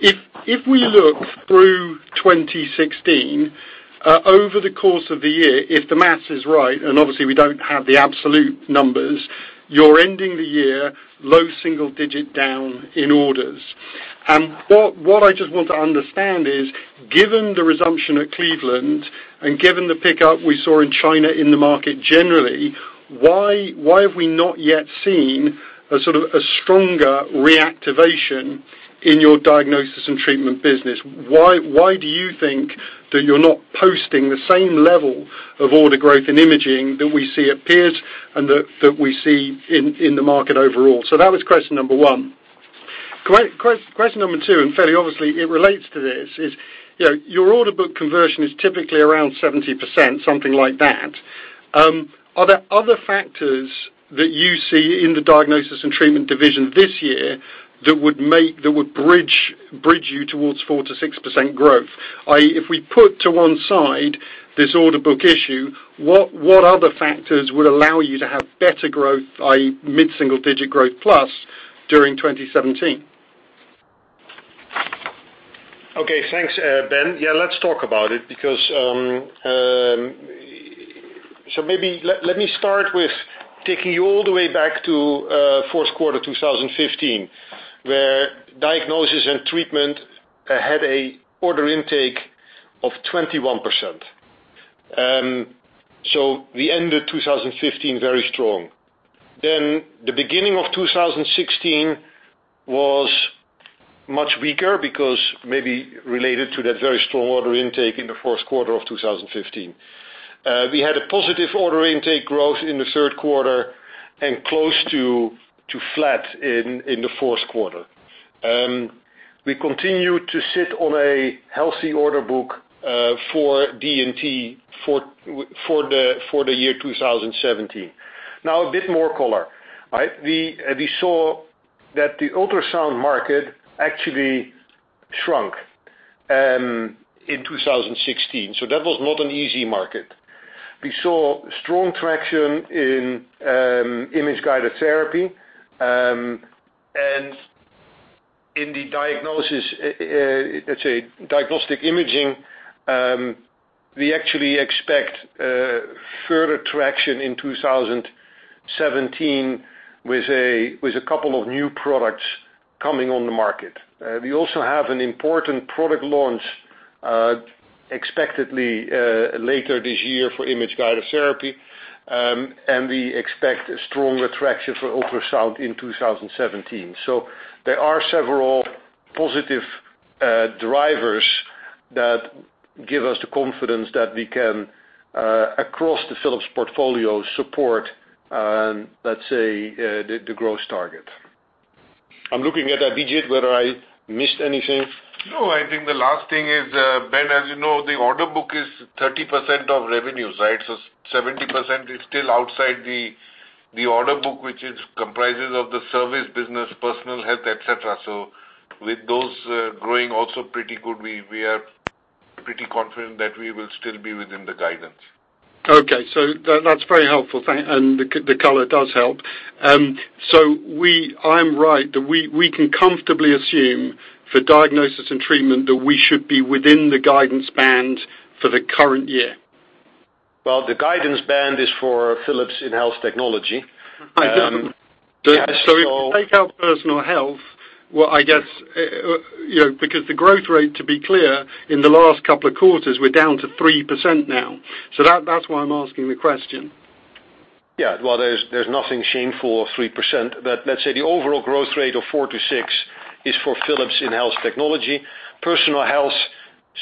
If we look through 2016, over the course of the year, if the maths is right, and obviously we don't have the absolute numbers, you're ending the year low single digit down in orders. What I just want to understand is, given the resumption at Cleveland and given the pickup we saw in China in the market generally, why have we not yet seen a sort of stronger reactivation in your diagnosis and treatment business? Why do you think that you're not posting the same level of order growth in imaging that we see at peers and that we see in the market overall? That was question number one. Question number two, and fairly obviously it relates to this is, your order book conversion is typically around 70%, something like that. Are there other factors that you see in the diagnosis and treatment division this year that would bridge you towards 4%-6% growth? If we put to one side this order book issue, what other factors would allow you to have better growth, mid-single digit growth plus during 2017?
Okay, thanks, Ben. Yeah, let's talk about it. Maybe let me start with taking you all the way back to fourth quarter 2015, where diagnosis and treatment had a order intake of 21%. We ended 2015 very strong. The beginning of 2016 was much weaker because maybe related to that very strong order intake in the fourth quarter of 2015. We had a positive order intake growth in the third quarter and close to flat in the fourth quarter. We continue to sit on a healthy order book, for D&T for the year 2017. A bit more color. We saw that the ultrasound market actually shrunk in 2016, that was not an easy market. We saw strong traction in image-guided therapy. In the diagnosis, let's say diagnostic imaging, we actually expect further traction in 2017 with a couple of new products coming on the market. We also have an important product launch expectedly later this year for image-guided therapy. We expect stronger traction for ultrasound in 2017. There are several positive drivers that give us the confidence that we can, across the Philips portfolio, support, let's say, the growth target. I'm looking at Abhijit, whether I missed anything. I think the last thing is, Ben, as you know, the order book is 30% of revenues, right? 70% is still outside the order book, which comprises of the service business, personal health, et cetera. With those growing also pretty good, we are pretty confident that we will still be within the guidance.
Okay. That's very helpful. The color does help. I'm right that we can comfortably assume for diagnosis and treatment that we should be within the guidance band for the current year?
Well, the guidance band is for Philips in health technology.
Right.
Yeah.
If we take out Personal Health, because the growth rate, to be clear, in the last couple of quarters, we're down to 3% now, so that's why I'm asking the question.
Yeah. Well, there's nothing shameful of 3%, but let's say the overall growth rate of 4-6 is for Philips in health technology. Personal Health,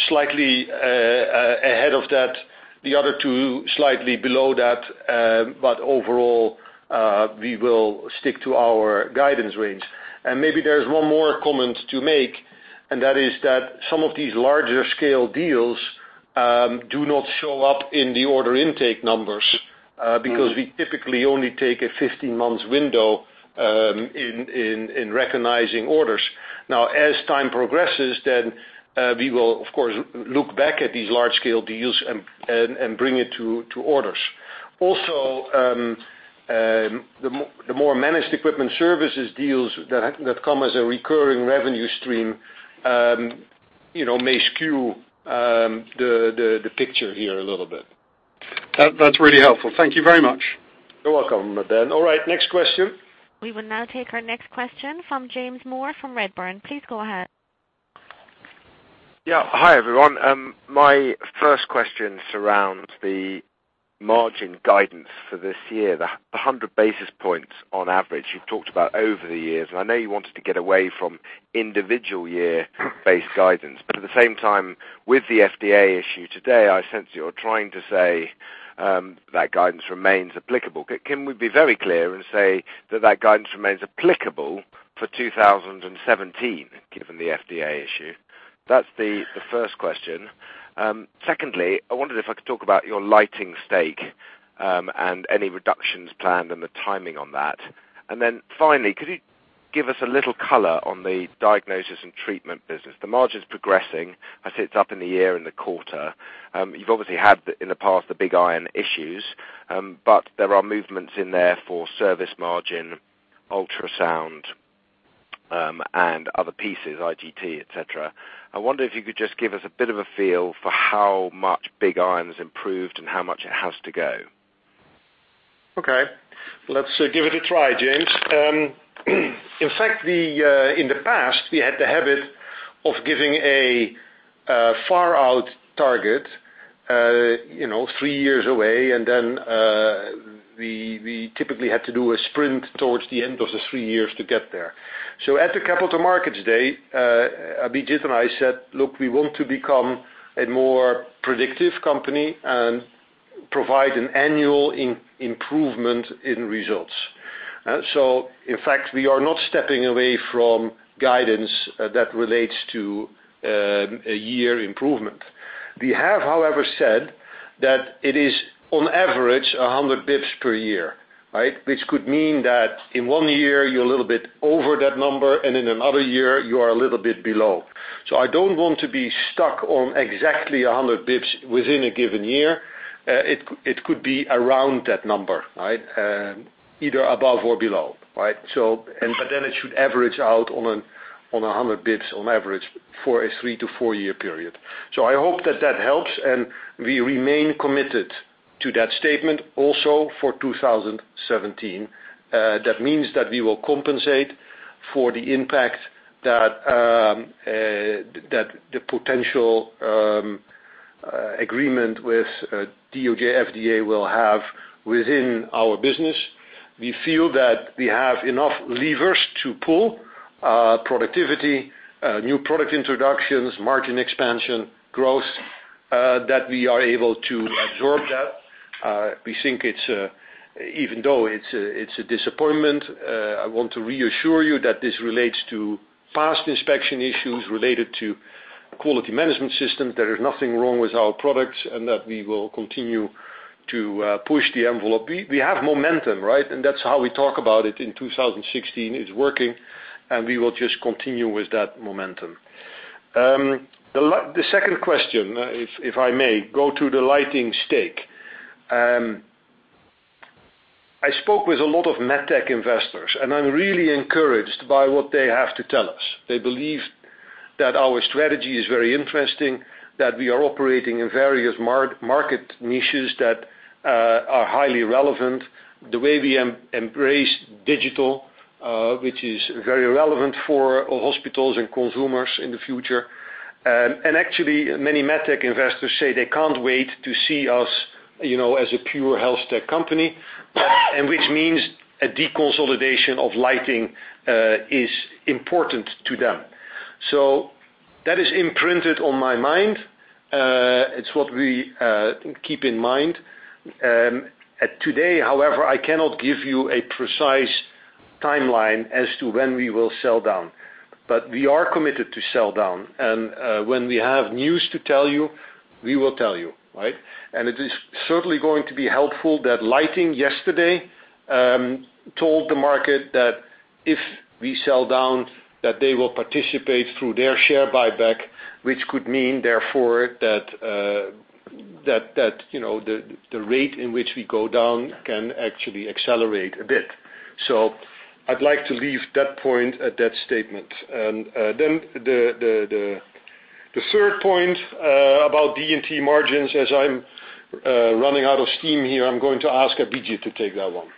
slightly ahead of that, the other two, slightly below that. Overall, we will stick to our guidance range. Maybe there's one more comment to make, and that is that some of these larger scale deals do not show up in the order intake numbers, because we typically only take a 15 months window in recognizing orders. Now, as time progresses, then we will, of course, look back at these large scale deals and bring it to orders. Also, the more managed equipment services deals that come as a recurring revenue stream may skew the picture here a little bit.
That's really helpful. Thank you very much.
You're welcome, Dan. All right. Next question.
We will now take our next question from James Moore from Redburn. Please go ahead.
Yeah. Hi, everyone. My first question surrounds the margin guidance for this year, the 100 basis points on average you've talked about over the years. I know you wanted to get away from individual year-based guidance. At the same time, with the FDA issue today, I sense you're trying to say that guidance remains applicable. Can we be very clear and say that that guidance remains applicable for 2017, given the FDA issue? That's the first question. Secondly, I wondered if I could talk about your lighting stake, and any reductions planned and the timing on that. Finally, could you give us a little color on the Diagnosis & Treatment business? The margin's progressing. I see it's up in the year and the quarter. You've obviously had, in the past, the Big Iron issues. There are movements in there for service margin, ultrasound, and other pieces, IGT, et cetera. I wonder if you could just give us a bit of a feel for how much Big Iron's improved and how much it has to go.
Okay. Let's give it a try, James. In fact, in the past, we had the habit of giving a far out target three years away, and we typically had to do a sprint towards the end of the three years to get there. At the Capital Markets Day, Abhijit and I said, look, we want to become a more predictive company and provide an annual improvement in results. In fact, we are not stepping away from guidance that relates to a year improvement. We have, however, said that it is on average 100 basis points per year. Which could mean that in one year, you're a little bit over that number, and in another year, you are a little bit below. I don't want to be stuck on exactly 100 basis points within a given year. It could be around that number. Either above or below. It should average out on 100 basis points on average for a three to four-year period. I hope that that helps, and we remain committed to that statement also for 2017. That means that we will compensate for the impact that the potential agreement with DOJ, FDA will have within our business. We feel that we have enough levers to pull, productivity, new product introductions, margin expansion, growth, that we are able to absorb that. We think even though it's a disappointment, I want to reassure you that this relates to past inspection issues related to quality management systems. There is nothing wrong with our products, and that we will continue to push the envelope. We have momentum. That's how we talk about it in 2016. It's working, and we will just continue with that momentum. The second question, if I may, go to the lighting stake. I spoke with a lot of med tech investors, and I'm really encouraged by what they have to tell us. They believe that our strategy is very interesting, that we are operating in various market niches that are highly relevant. The way we embrace digital, which is very relevant for hospitals and consumers in the future. Actually, many med tech investors say they can't wait to see us as a pure health tech company. Which means a deconsolidation of lighting is important to them. That is imprinted on my mind. It's what we keep in mind. Today, however, I cannot give you a precise timeline as to when we will sell down. We are committed to sell down. When we have news to tell you, we will tell you. It is certainly going to be helpful that Lighting yesterday told the market that if we sell down, that they will participate through their share buyback, which could mean therefore that the rate in which we go down can actually accelerate a bit. I'd like to leave that point at that statement. The third point about D&T margins, as I'm running out of steam here, I'm going to ask Abhijit to take that one.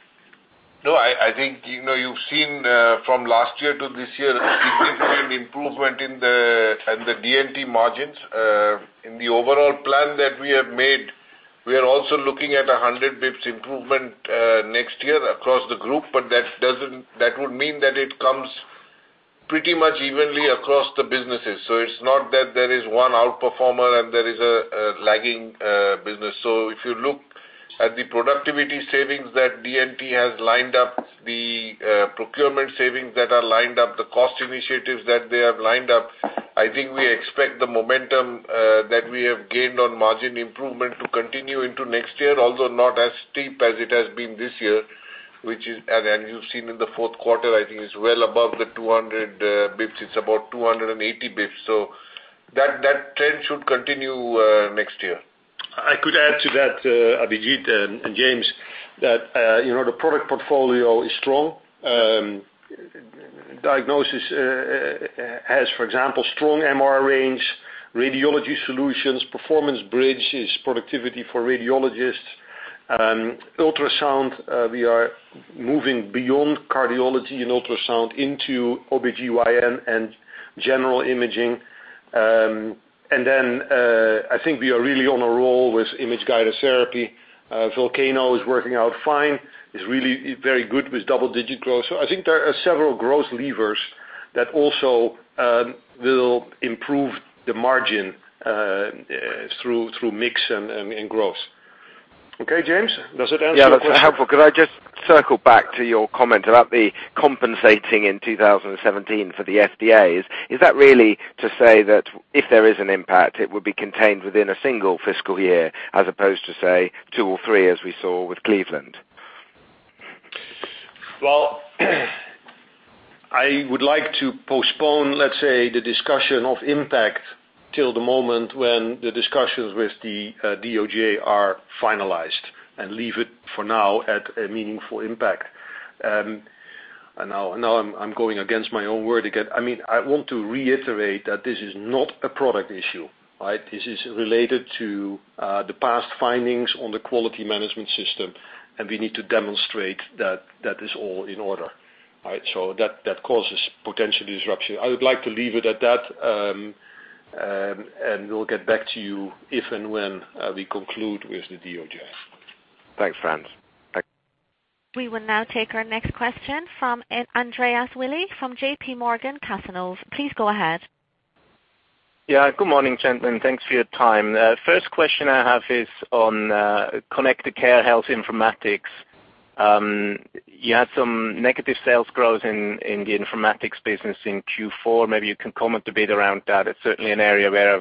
I think you've seen from last year to this year a significant improvement in the D&T margins. In the overall plan that we have made, we are also looking at 100 basis points improvement next year across the group, That would mean that it comes pretty much evenly across the businesses. It's not that there is one outperformer and there is a lagging business. If you look at the productivity savings that D&T has lined up, the procurement savings that are lined up, the cost initiatives that they have lined up, I think we expect the momentum that we have gained on margin improvement to continue into next year, although not as steep as it has been this year. You've seen in the fourth quarter, I think is well above the 200 basis points. It's about 280 basis points. That trend should continue next year.
I could add to that, Abhijit and James, that the product portfolio is strong. Diagnosis has, for example, strong MR range, radiology solutions, PerformanceBridge, productivity for radiologists. Ultrasound, we are moving beyond cardiology and ultrasound into OBGYN and general imaging. I think we are really on a roll with image-guided therapy. Volcano is working out fine. It's really very good with double-digit growth. I think there are several growth levers that also will improve the margin through mix and growth. Okay, James, does that answer the question?
Yeah, that's helpful. Could I just circle back to your comment about the compensating in 2017 for the FDA? Is that really to say that if there is an impact, it would be contained within a single fiscal year as opposed to, say, two or three, as we saw with Cleveland?
I would like to postpone, let's say, the discussion of impact till the moment when the discussions with the DOJ are finalized and leave it for now at a meaningful impact. Now I'm going against my own word again. I want to reiterate that this is not a product issue. This is related to the past findings on the quality management system. We need to demonstrate that that is all in order. That causes potential disruption. I would like to leave it at that. We'll get back to you if and when we conclude with the DOJ.
Thanks, Frans.
We will now take our next question from Andreas Willi from J.P. Morgan Cazenove. Please go ahead.
Yeah, good morning, gentlemen. Thanks for your time. First question I have is on Connected Care Health Informatics. You had some negative sales growth in the informatics business in Q4. Maybe you can comment a bit around that. It's certainly an area where I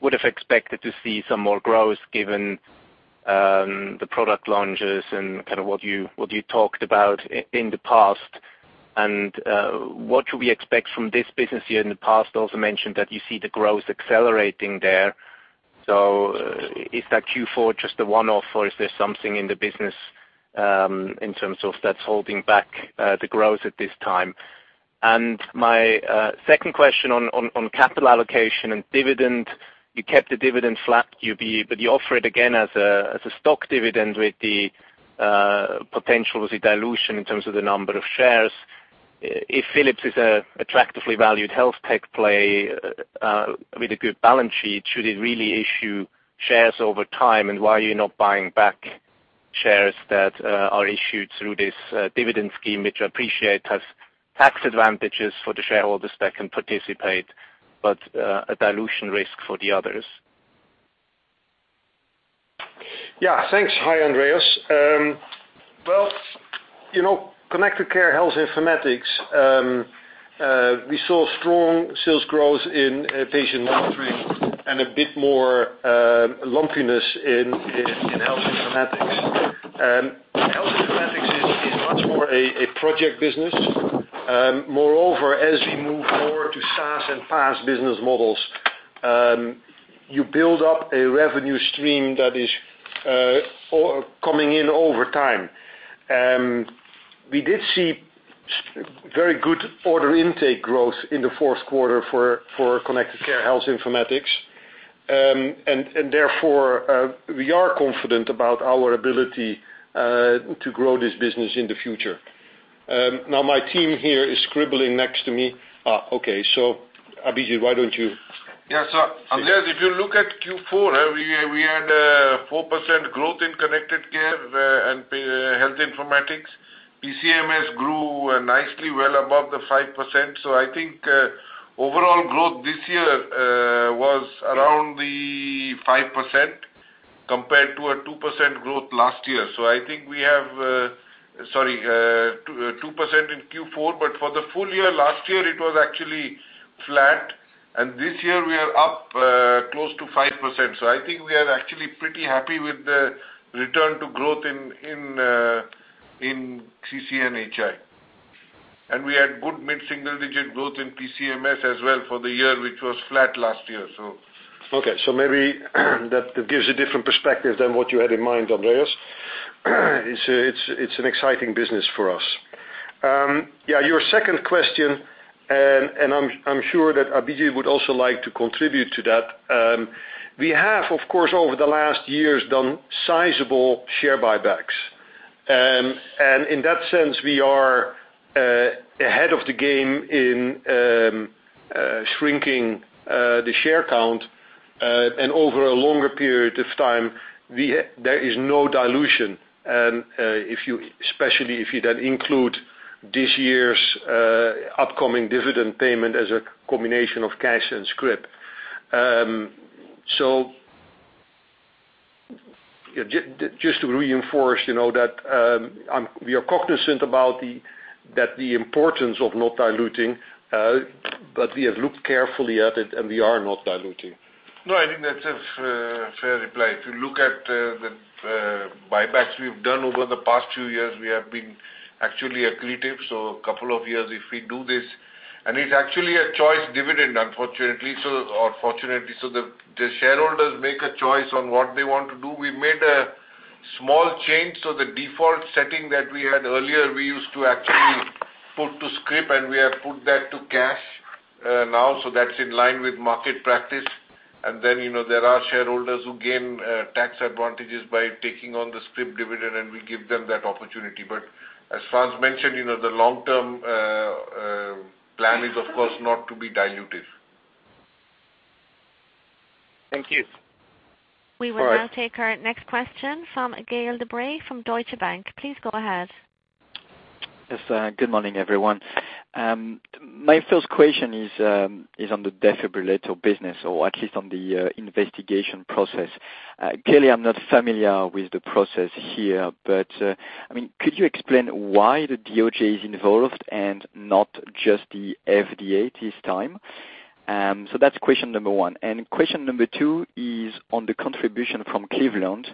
would have expected to see some more growth given the product launches and what you talked about in the past. What should we expect from this business here in the past? Also mentioned that you see the growth accelerating there. Is that Q4 just a one-off, or is there something in the business in terms of that's holding back the growth at this time? My second question on capital allocation and dividend, you kept the dividend flat, QB, but you offer it again as a stock dividend with the potential of the dilution in terms of the number of shares. If Philips is an attractively valued health tech play with a good balance sheet, should it really issue shares over time? Why are you not buying back shares that are issued through this dividend scheme, which I appreciate has tax advantages for the shareholders that can participate, but a dilution risk for the others?
Yeah, thanks. Hi, Andreas. Connected Care Health Informatics, we saw strong sales growth in patient monitoring and a bit more lumpiness in health informatics. Health informatics is much more a project business. Moreover, as we move more to SaaS and PaaS business models, you build up a revenue stream that is coming in over time. We did see very good order intake growth in the fourth quarter for Connected Care Health Informatics. Therefore, we are confident about our ability to grow this business in the future. My team here is scribbling next to me. Abhijit, why don't you?
Yeah, Andreas, if you look at Q4, we had 4% growth in Connected Care and Health Informatics. PCMS grew nicely well above the 5%. I think overall growth this year was around the 5%. Compared to a 2% growth last year. 2% in Q4, but for the full year last year, it was actually flat, and this year we are up close to 5%. I think we are actually pretty happy with the return to growth in CC and HI. We had good mid-single digit growth in PCMS as well for the year, which was flat last year.
Maybe that gives a different perspective than what you had in mind, Andreas. It's an exciting business for us. Your second question, and I'm sure that Abhijit would also like to contribute to that. We have, of course, over the last years done sizable share buybacks. In that sense, we are ahead of the game in shrinking the share count, and over a longer period of time, there is no dilution, especially if you then include this year's upcoming dividend payment as a combination of cash and scrip. Just to reinforce that we are cognizant about the importance of not diluting, but we have looked carefully at it, and we are not diluting.
No, I think that's a fair reply. If you look at the buybacks we've done over the past two years, we have been actually accretive. A couple of years if we do this. It's actually a choice dividend, unfortunately, or fortunately. The shareholders make a choice on what they want to do. We made a small change to the default setting that we had earlier. We used to actually put to scrip, and we have put that to cash now, so that's in line with market practice. Then, there are shareholders who gain tax advantages by taking on the scrip dividend, and we give them that opportunity. As Frans mentioned, the long-term plan is, of course, not to be dilutive.
Thank you.
All right.
We will now take our next question from Gaël de Bray from Deutsche Bank. Please go ahead.
Yes. Good morning, everyone. My first question is on the defibrillator business, or at least on the investigation process. Clearly, I am not familiar with the process here, but could you explain why the DOJ is involved and not just the FDA this time? That's question number one. Question number two is on the contribution from Cleveland,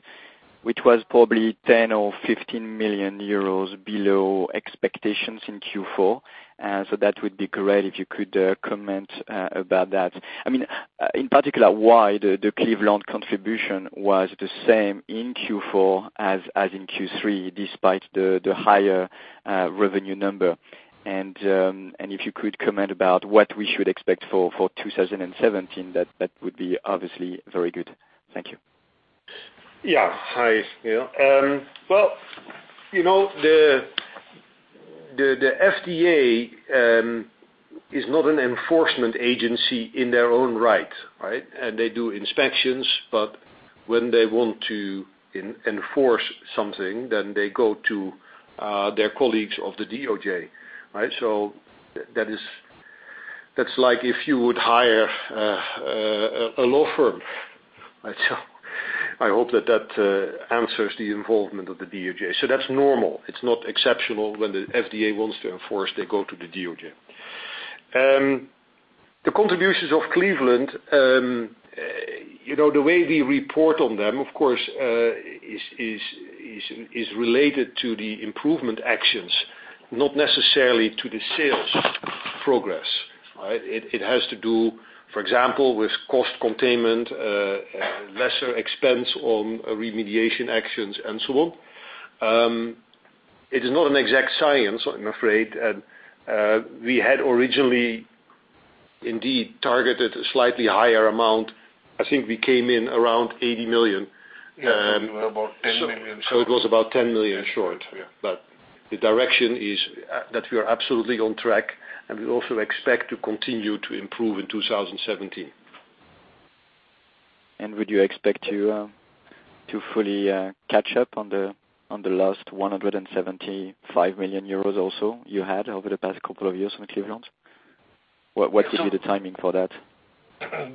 which was probably 10 million or 15 million euros below expectations in Q4. That would be great if you could comment about that. In particular, why the Cleveland contribution was the same in Q4 as in Q3, despite the higher revenue number. If you could comment about what we should expect for 2017, that would be obviously very good. Thank you.
Hi, Gaël. The FDA is not an enforcement agency in their own right. They do inspections, but when they want to enforce something, they go to their colleagues of the DOJ. That's like if you would hire a law firm. I hope that that answers the involvement of the DOJ. That's normal. It's not exceptional. When the FDA wants to enforce, they go to the DOJ. The contributions of Cleveland, the way we report on them, of course, is related to the improvement actions, not necessarily to the sales progress. It has to do, for example, with cost containment, lesser expense on remediation actions, and so on. It is not an exact science, I'm afraid. We had originally indeed targeted a slightly higher amount. I think we came in around 80 million.
We were about 10 million short.
It was about 10 million short.
Yeah.
The direction is that we are absolutely on track, and we also expect to continue to improve in 2017.
Would you expect to fully catch up on the last 175 million euros or so you had over the past couple of years from Cleveland? What should be the timing for that?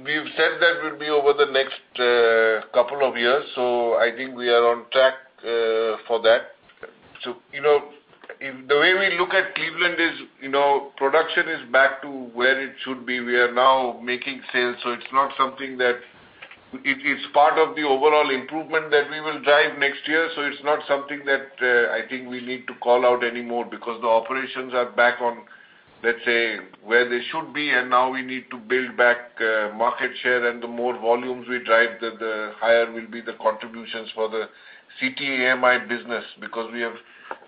We've said that will be over the next couple of years, I think we are on track for that. The way we look at Cleveland is, production is back to where it should be. We are now making sales. It's part of the overall improvement that we will drive next year. It's not something that I think we need to call out anymore because the operations are back on, let's say, where they should be, and now we need to build back market share. The more volumes we drive, the higher will be the contributions for the CT/AMI business because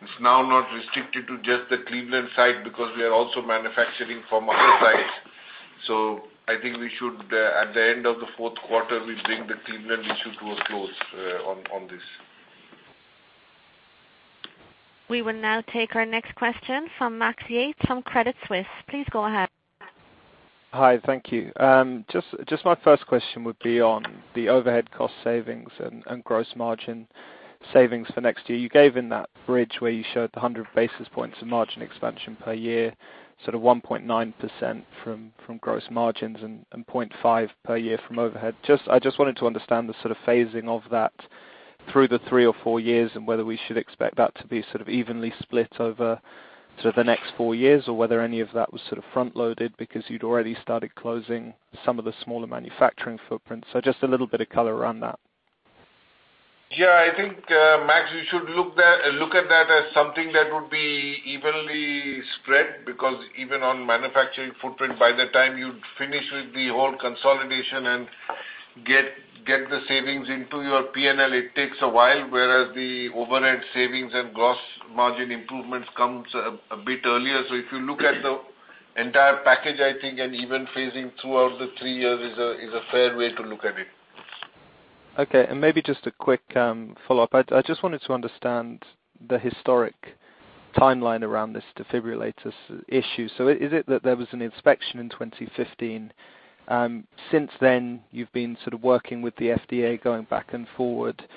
it's now not restricted to just the Cleveland site because we are also manufacturing from other sites. I think at the end of the fourth quarter, we bring the Cleveland issue to a close on this.
We will now take our next question from Max Yates from Credit Suisse. Please go ahead.
Hi. Thank you. Just my first question would be on the overhead cost savings and gross margin savings for next year. You gave in that bridge where you showed the 100 basis points of margin expansion per year, 1.9% from gross margins and 0.5 per year from overhead. I just wanted to understand the sort of phasing of that through the three or four years, and whether we should expect that to be evenly split over the next four years or whether any of that was front-loaded because you'd already started closing some of the smaller manufacturing footprints. Just a little bit of color around that.
I think, Max, you should look at that as something that would be evenly spread, because even on manufacturing footprint, by the time you finish with the whole consolidation and get the savings into your P&L, it takes a while, whereas the overhead savings and gross margin improvements comes a bit earlier. If you look at the entire package, I think an even phasing throughout the three years is a fair way to look at it.
Maybe just a quick follow-up. I just wanted to understand the historic timeline around this defibrillators issue. Is it that there was an inspection in 2015? Since then, you've been working with the FDA, going back and forward,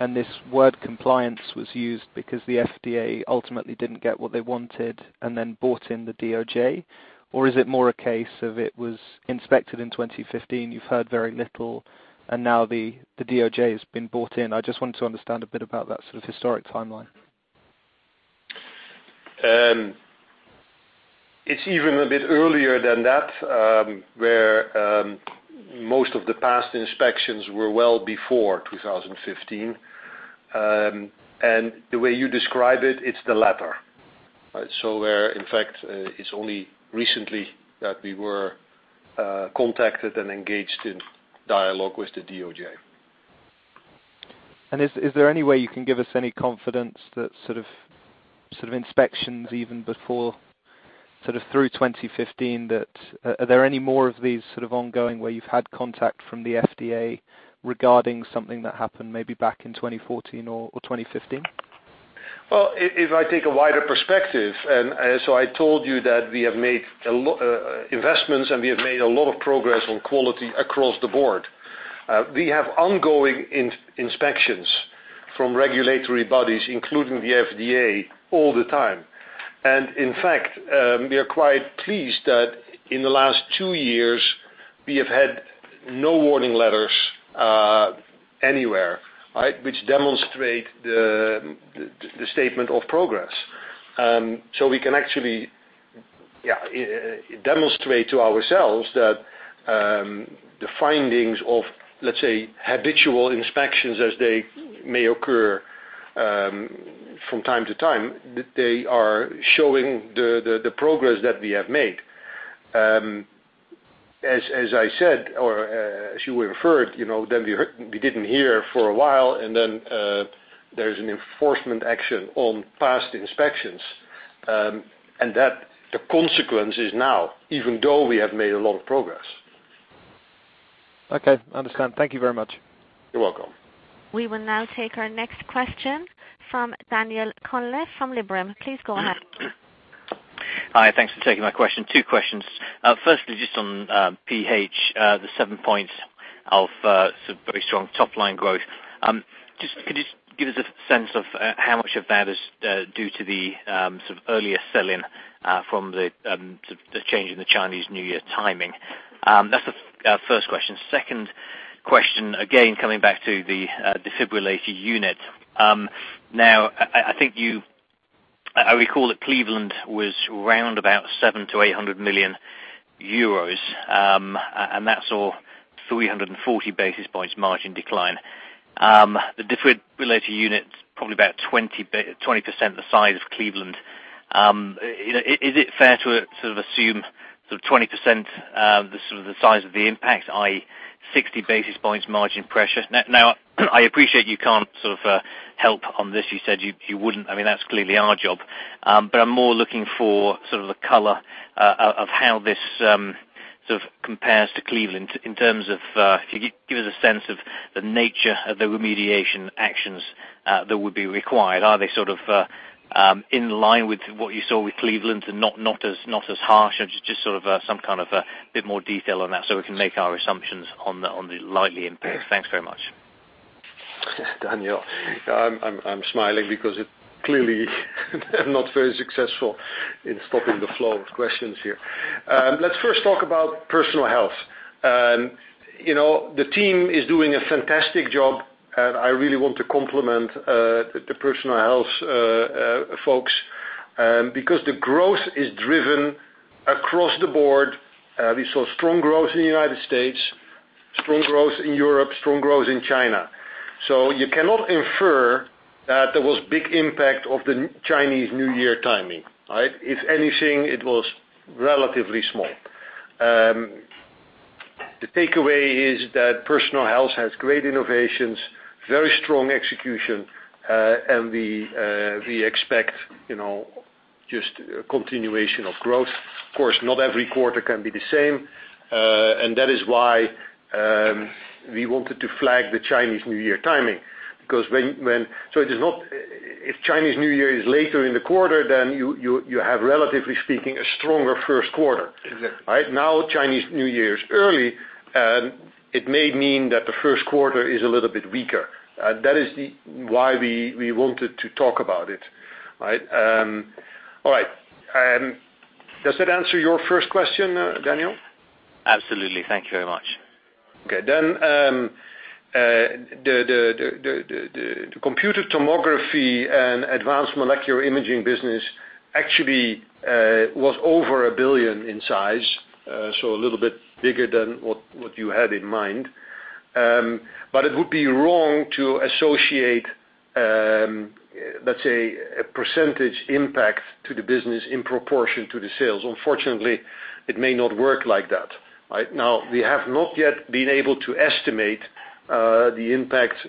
and this word compliance was used because the FDA ultimately didn't get what they wanted and then brought in the DOJ? Or is it more a case of it was inspected in 2015, you've heard very little, and now the DOJ has been brought in? I just wanted to understand a bit about that sort of historic timeline.
It's even a bit earlier than that, where most of the past inspections were well before 2015. The way you describe it's the latter. Where, in fact, it's only recently that we were contacted and engaged in dialogue with the DOJ.
Is there any way you can give us any confidence that sort of inspections even before, through 2015, are there any more of these sort of ongoing where you've had contact from the FDA regarding something that happened maybe back in 2014 or 2015?
If I take a wider perspective, I told you that we have made investments and we have made a lot of progress on quality across the board. We have ongoing inspections from regulatory bodies, including the FDA, all the time. In fact, we are quite pleased that in the last two years, we have had no warning letters anywhere, which demonstrate the statement of progress. We can actually demonstrate to ourselves that the findings of, let's say, habitual inspections as they may occur from time to time, they are showing the progress that we have made. As I said, or as you referred, we didn't hear for a while, there's an enforcement action on past inspections, the consequence is now, even though we have made a lot of progress.
Okay, understand. Thank you very much.
You're welcome.
We will now take our next question from Daniel Connolly from Liberum. Please go ahead.
Hi, thanks for taking my question. Two questions. Firstly, just on PH, the seven points of very strong top-line growth. Could you just give us a sense of how much of that is due to the sort of earlier sell-in from the change in the Chinese New Year timing? That's the first question. Second question, again, coming back to the defibrillator unit. Now, I recall that Cleveland was around about 700 million to 800 million euros, and that saw 340 basis points margin decline. The defibrillator unit's probably about 20% the size of Cleveland. Is it fair to sort of assume 20% the size of the impact, i.e., 60 basis points margin pressure? Now, I appreciate you can't sort of help on this. You said you wouldn't. I mean, that's clearly our job. I'm more looking for sort of the color of how this sort of compares to Cleveland in terms of, if you could give us a sense of the nature of the remediation actions that would be required. Are they sort of in line with what you saw with Cleveland and not as harsh? Just sort of some kind of a bit more detail on that so we can make our assumptions on the likely impact. Thanks very much.
Daniel, I'm smiling because it clearly I'm not very successful in stopping the flow of questions here. Let's first talk about Personal Health. The team is doing a fantastic job, and I really want to compliment the Personal Health folks, because the growth is driven across the board. We saw strong growth in the U.S., strong growth in Europe, strong growth in China. You cannot infer that there was big impact of the Chinese New Year timing, right? If anything, it was relatively small. The takeaway is that Personal Health has great innovations, very strong execution, and we expect just a continuation of growth. Of course, not every quarter can be the same, and that is why we wanted to flag the Chinese New Year timing. It is not If Chinese New Year is later in the quarter, then you have, relatively speaking, a stronger first quarter.
Exactly.
Right now, Chinese New Year is early. It may mean that the first quarter is a little bit weaker. That is why we wanted to talk about it. All right. Does that answer your first question, Daniel?
Absolutely. Thank you very much.
Okay. The Computed Tomography and Advanced Molecular Imaging business actually was over 1 billion in size, so a little bit bigger than what you had in mind. It would be wrong to associate, let's say, a percentage impact to the business in proportion to the sales. Unfortunately, it may not work like that. We have not yet been able to estimate the impact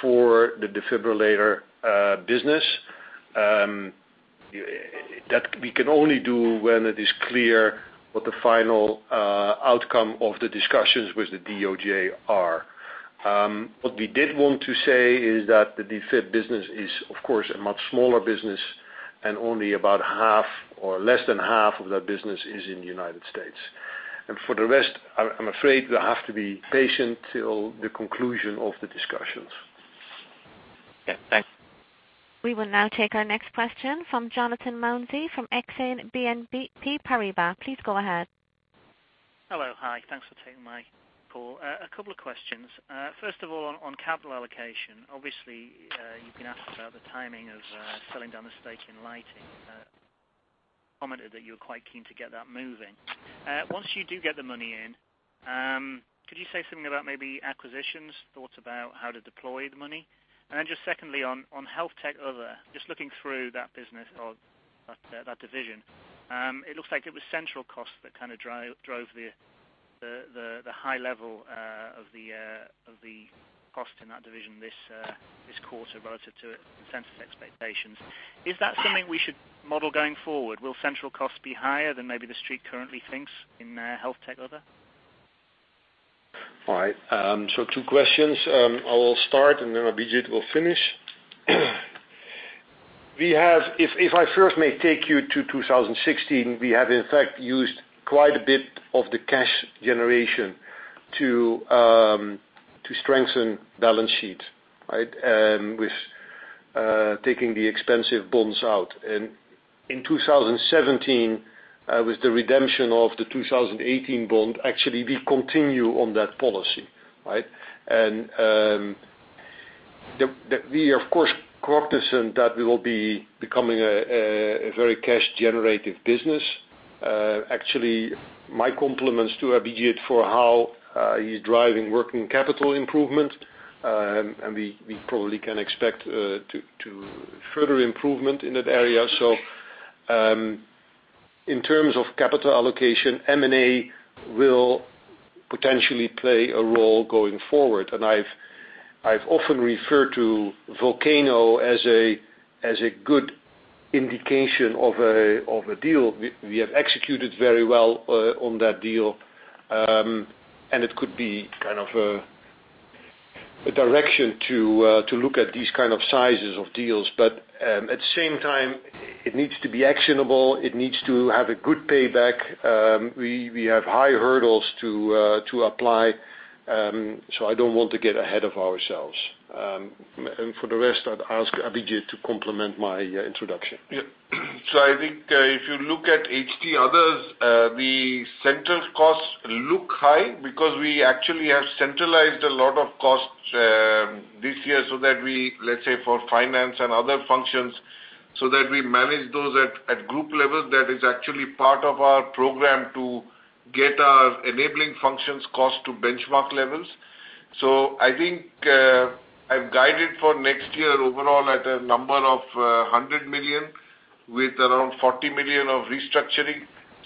for the defibrillator business. That we can only do when it is clear what the final outcome of the discussions with the DOJ are. What we did want to say is that the defib business is, of course, a much smaller business, and only about half or less than half of that business is in the U.S. For the rest, I'm afraid we'll have to be patient till the conclusion of the discussions.
Okay, thanks.
We will now take our next question from Jonathan Mounsey from Exane BNP Paribas. Please go ahead.
Hello. Hi. Thanks for taking my call. A couple of questions. First of all, on capital allocation. Obviously, you've been asked about the timing of selling down the stake in Philips Lighting. Commented that you're quite keen to get that moving. Once you do get the money in, could you say something about maybe acquisitions, thoughts about how to deploy the money? Secondly, on HealthTech Other, just looking through that business or that division. It looks like it was central cost that kind of drove the high level of the cost in that division this quarter relative to consensus expectations. Is that something we should model going forward? Will central costs be higher than maybe the street currently thinks in HealthTech Other?
All right. Two questions. I will start, Abhijit will finish. If I first may take you to 2016, we have in fact used quite a bit of the cash generation to strengthen balance sheet with taking the expensive bonds out. In 2017, with the redemption of the 2018 bond, actually, we continue on that policy. We are, of course, cognizant that we will be becoming a very cash-generative business. Actually, my compliments to Abhijit for how he's driving working capital improvement. We probably can expect further improvement in that area. In terms of capital allocation, M&A will potentially play a role going forward. I've often referred to Volcano as a good indication of a deal. We have executed very well on that deal, and it could be kind of a direction to look at these kind of sizes of deals. At the same time, it needs to be actionable. It needs to have a good payback. We have high hurdles to apply. I don't want to get ahead of ourselves. For the rest, I'd ask Abhijit to complement my introduction.
I think if you look at HT Others, the central costs look high because we actually have centralized a lot of costs this year, let's say for finance and other functions, so that we manage those at group level. That is actually part of our program to get our enabling functions cost to benchmark levels. I think, I've guided for next year overall at a number of 100 million with around 40 million of restructuring.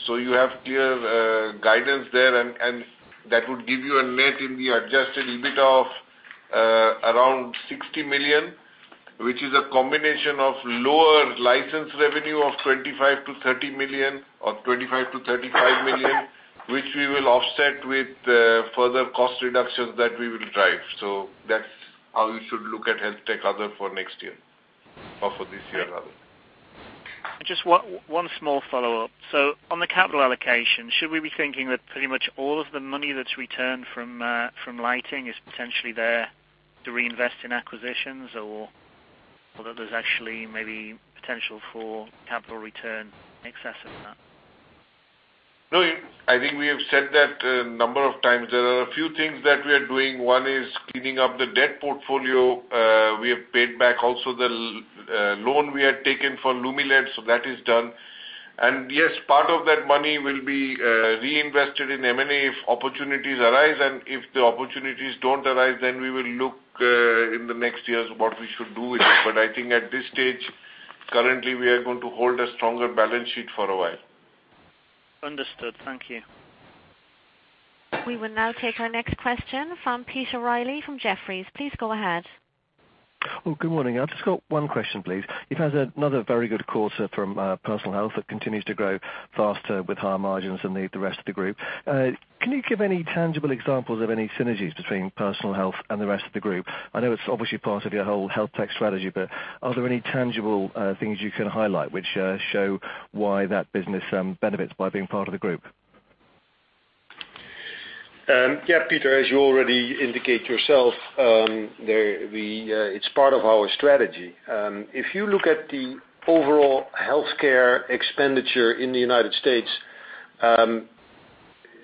You have clear guidance there, and that would give you a net in the adjusted EBIT of around 60 million, which is a combination of lower license revenue of 25 million-30 million or 25 million-35 million, which we will offset with further cost reductions that we will drive. That's how you should look at HealthTech Other for next year or for this year rather.
Just one small follow-up. On the capital allocation, should we be thinking that pretty much all of the money that's returned from lighting is potentially there to reinvest in acquisitions? That there's actually maybe potential for capital return in excess of that?
I think we have said that a number of times. There are a few things that we are doing. One is cleaning up the debt portfolio. We have paid back also the loan we had taken for Lumileds, that is done. Yes, part of that money will be reinvested in M&A if opportunities arise, and if the opportunities don't arise, we will look, in the next years, what we should do with it. I think at this stage, currently, we are going to hold a stronger balance sheet for a while.
Understood. Thank you.
We will now take our next question from Peter Reilly from Jefferies. Please go ahead.
Well, good morning. I've just got one question, please. You've had another very good quarter from Personal Health. It continues to grow faster with higher margins than the rest of the group. Can you give any tangible examples of any synergies between Personal Health and the rest of the group? I know it's obviously part of your whole HealthTech strategy, but are there any tangible things you can highlight which show why that business benefits by being part of the group?
Peter, as you already indicate yourself, it's part of our strategy. If you look at the overall healthcare expenditure in the U.S.,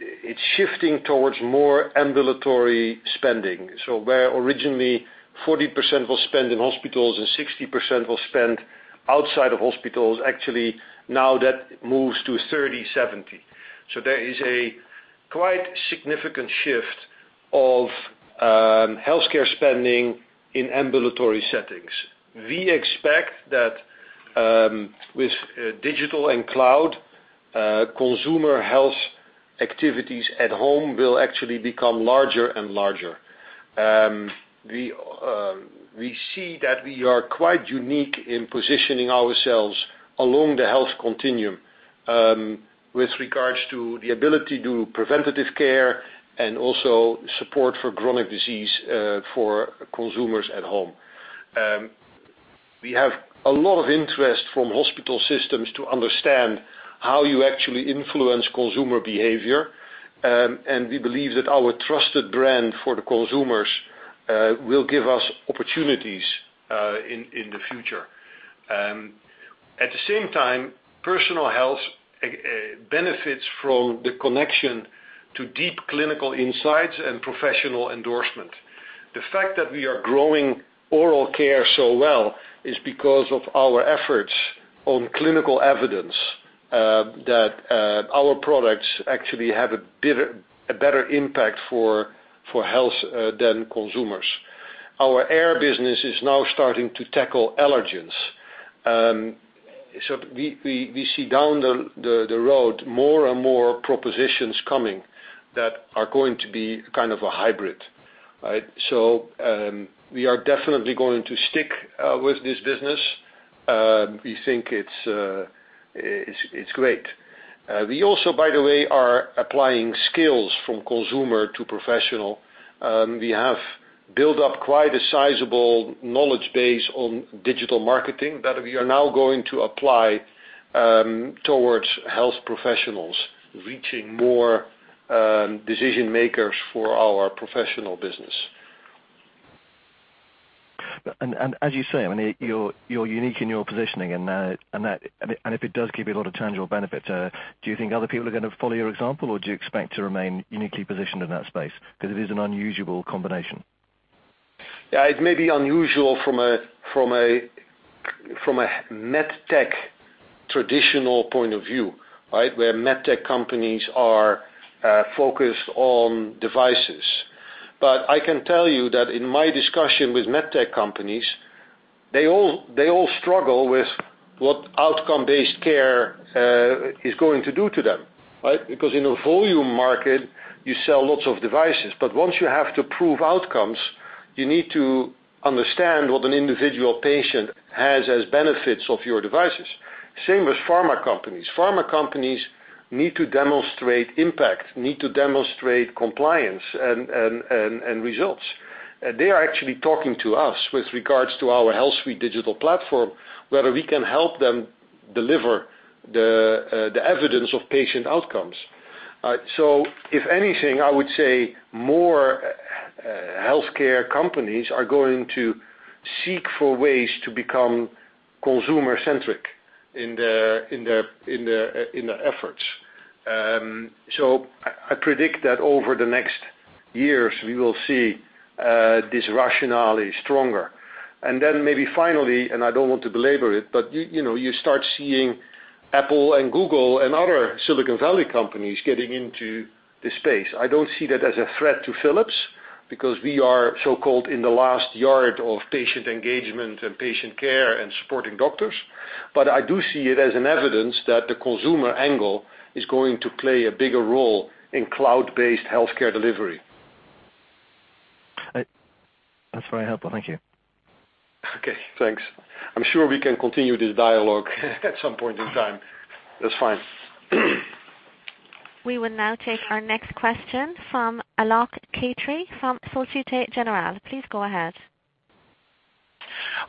it's shifting towards more ambulatory spending. Where originally 40% was spent in hospitals and 60% was spent outside of hospitals, actually now that moves to 30/70. There is a quite significant shift of healthcare spending in ambulatory settings. We expect that with digital and cloud, consumer health activities at home will actually become larger and larger. We see that we are quite unique in positioning ourselves along the health continuum, with regards to the ability to preventative care and also support for chronic disease, for consumers at home. We have a lot of interest from hospital systems to understand how you actually influence consumer behavior, and we believe that our trusted brand for the consumers will give us opportunities in the future. At the same time, Personal Health benefits from the connection to deep clinical insights and professional endorsement. The fact that we are growing oral care so well is because of our efforts on clinical evidence, that our products actually have a better impact for health than consumers. Our air business is now starting to tackle allergens. We see down the road, more and more propositions coming that are going to be kind of a hybrid, right? We are definitely going to stick with this business. We think it's great. We also, by the way, are applying skills from consumer to professional. We have built up quite a sizable knowledge base on digital marketing that we are now going to apply towards health professionals, reaching more decision makers for our professional business.
As you say, you're unique in your positioning and if it does give you a lot of tangible benefits, do you think other people are going to follow your example, or do you expect to remain uniquely positioned in that space? It is an unusual combination.
It may be unusual from a medtech traditional point of view, right? Where medtech companies are focused on devices. I can tell you that in my discussion with medtech companies, they all struggle with what outcome-based care is going to do to them, right? In a volume market, you sell lots of devices, but once you have to prove outcomes, you need to understand what an individual patient has as benefits of your devices. Same with pharma companies. Pharma companies need to demonstrate impact, need to demonstrate compliance and results. They are actually talking to us with regards to our HealthSuite digital platform, whether we can help them deliver the evidence of patient outcomes. If anything, I would say more healthcare companies are going to seek for ways to become consumer-centric in their efforts. I predict that over the next years, we will see this rationale is stronger. Maybe finally, I don't want to belabor it, you start seeing Apple and Google and other Silicon Valley companies getting into the space. I don't see that as a threat to Philips, we are so-called in the last yard of patient engagement and patient care and supporting doctors. I do see it as an evidence that the consumer angle is going to play a bigger role in cloud-based healthcare delivery.
That's very helpful. Thank you.
Okay, thanks. I'm sure we can continue this dialogue at some point in time. That's fine.
We will now take our next question from Alok Katre from Société Générale. Please go ahead.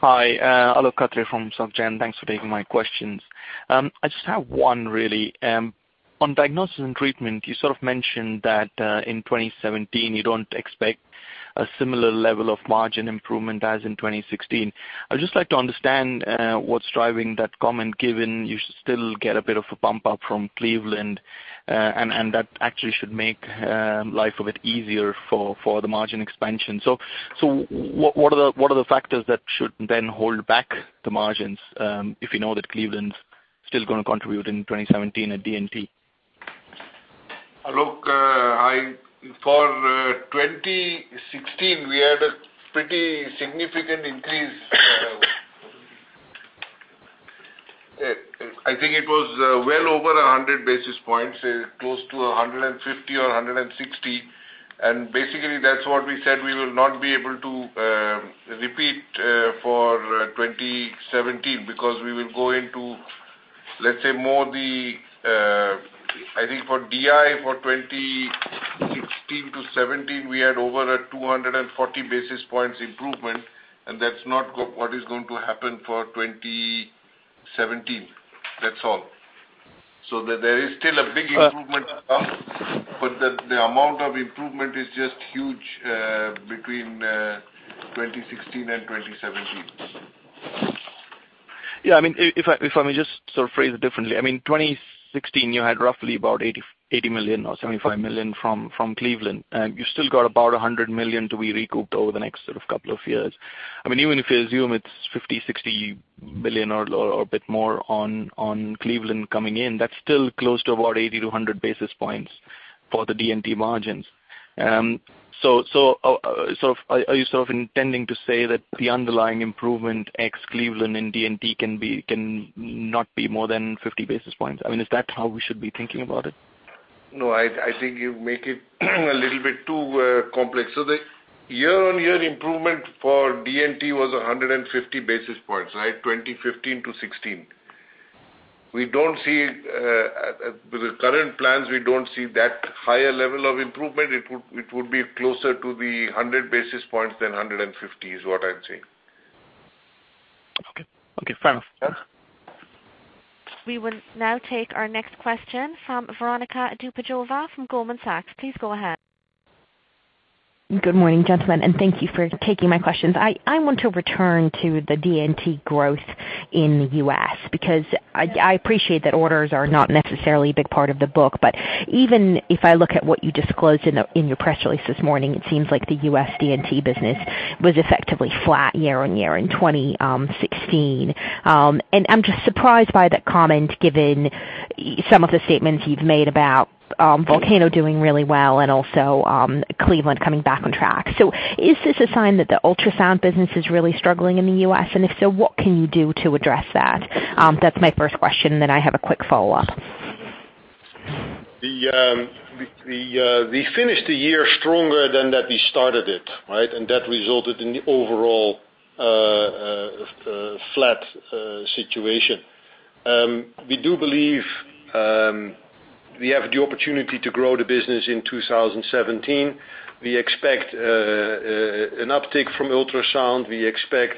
Hi, Alok Katre from SocGen. Thanks for taking my questions. I just have one really. On Diagnosis & Treatment, you sort of mentioned that, in 2017, you don't expect a similar level of margin improvement as in 2016. I would just like to understand what's driving that comment, given you still get a bit of a bump up from Cleveland, and that actually should make life a bit easier for the margin expansion. What are the factors that should then hold back the margins, if you know that Cleveland's still going to contribute in 2017 at D&T?
Alok, for 2016, we had a pretty significant increase- I think it was well over 100 basis points, close to 150 or 160. Basically that's what we said we will not be able to repeat for 2017 because we will go into, let's say more the I think for DI for 2016 to 2017, we had over a 240 basis points improvement, and that's not what is going to happen for 2017. That's all. There is still a big improvement to come, but the amount of improvement is just huge between 2016 and 2017.
Yeah. If I may just sort of phrase it differently. 2016, you had roughly about 80 million or 75 million from Cleveland. You still got about 100 million to be recouped over the next sort of couple of years. Even if you assume it's 50 million, 60 million or a bit more on Cleveland coming in, that's still close to about 80-100 basis points for the D&T margins. Are you sort of intending to say that the underlying improvement ex Cleveland in D&T cannot be more than 50 basis points? Is that how we should be thinking about it?
No, I think you make it a little bit too complex. The year-on-year improvement for D&T was 150 basis points, right? 2015 to 2016. With the current plans, we don't see that higher level of improvement. It would be closer to the 100 basis points than 150, is what I'm saying.
Okay. Fair enough.
Yeah.
We will now take our next question from Veronika Dubajova from Goldman Sachs. Please go ahead.
Good morning, gentlemen, and thank you for taking my questions. I want to return to the D&T growth in the U.S., because I appreciate that orders are not necessarily a big part of the book, but even if I look at what you disclosed in your press release this morning, it seems like the U.S. D&T business was effectively flat year-over-year in 2016. I'm just surprised by that comment, given some of the statements you've made about Volcano doing really well and also Cleveland coming back on track. Is this a sign that the ultrasound business is really struggling in the U.S., and if so, what can you do to address that? That's my first question, then I have a quick follow-up.
We finished the year stronger than we started it, right? That resulted in the overall flat situation. We do believe, we have the opportunity to grow the business in 2017. We expect an uptick from ultrasound. We expect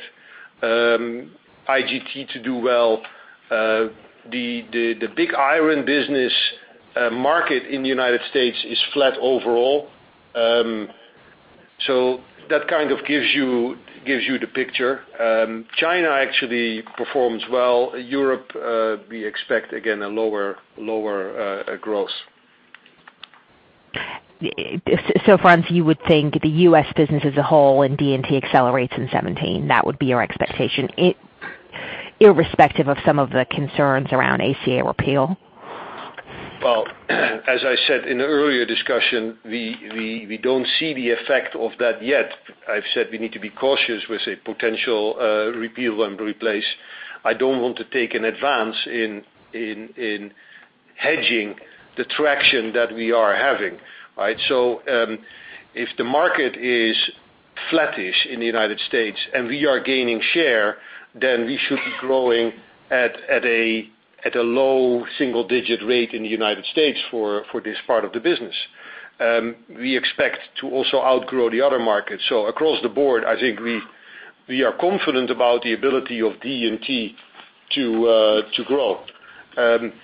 IGT to do well. The big iron business market in the United States is flat overall. That kind of gives you the picture. China actually performs well. Europe, we expect, again, a lower gross.
Frans, you would think the U.S. business as a whole and D&T accelerates in 2017. That would be your expectation, irrespective of some of the concerns around ACA repeal?
Well, as I said in the earlier discussion, we don't see the effect of that yet. I've said we need to be cautious with a potential repeal and replace. I don't want to take an advance in hedging the traction that we are having, right? If the market is flattish in the United States and we are gaining share, then we should be growing at a low single-digit rate in the United States for this part of the business. We expect to also outgrow the other markets. Across the board, I think we are confident about the ability of D&T to grow.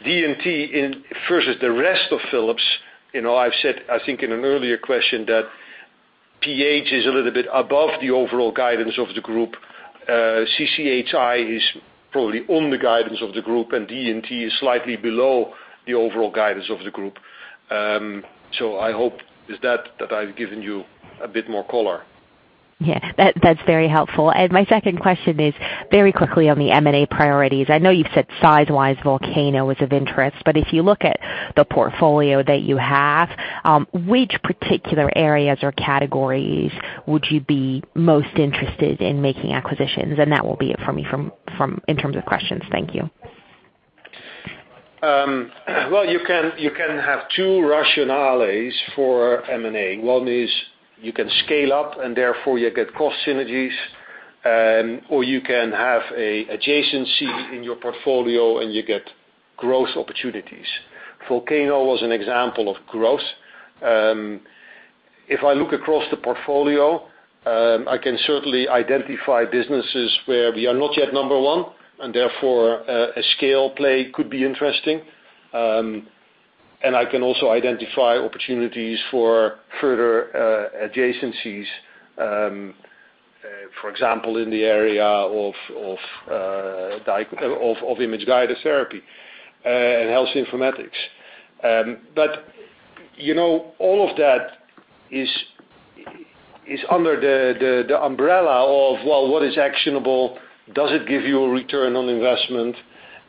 D&T versus the rest of Philips, I've said, I think in an earlier question, that PH is a little bit above the overall guidance of the group. CCHI is probably on the guidance of the group, D&T is slightly below the overall guidance of the group. I hope I've given you a bit more color.
Yeah, that's very helpful. My second question is very quickly on the M&A priorities. I know you've said size-wise, Volcano was of interest, but if you look at the portfolio that you have, which particular areas or categories would you be most interested in making acquisitions? That will be it for me in terms of questions. Thank you.
Well, you can have two rationales for M&A. One is you can scale up and therefore you get cost synergies, or you can have adjacency in your portfolio, and you get growth opportunities. Volcano was an example of growth. If I look across the portfolio, I can certainly identify businesses where we are not yet number one, and therefore, a scale play could be interesting. I can also identify opportunities for further adjacencies, for example, in the area of image-guided therapy, and health informatics. All of that is under the umbrella of, well, what is actionable? Does it give you a return on investment?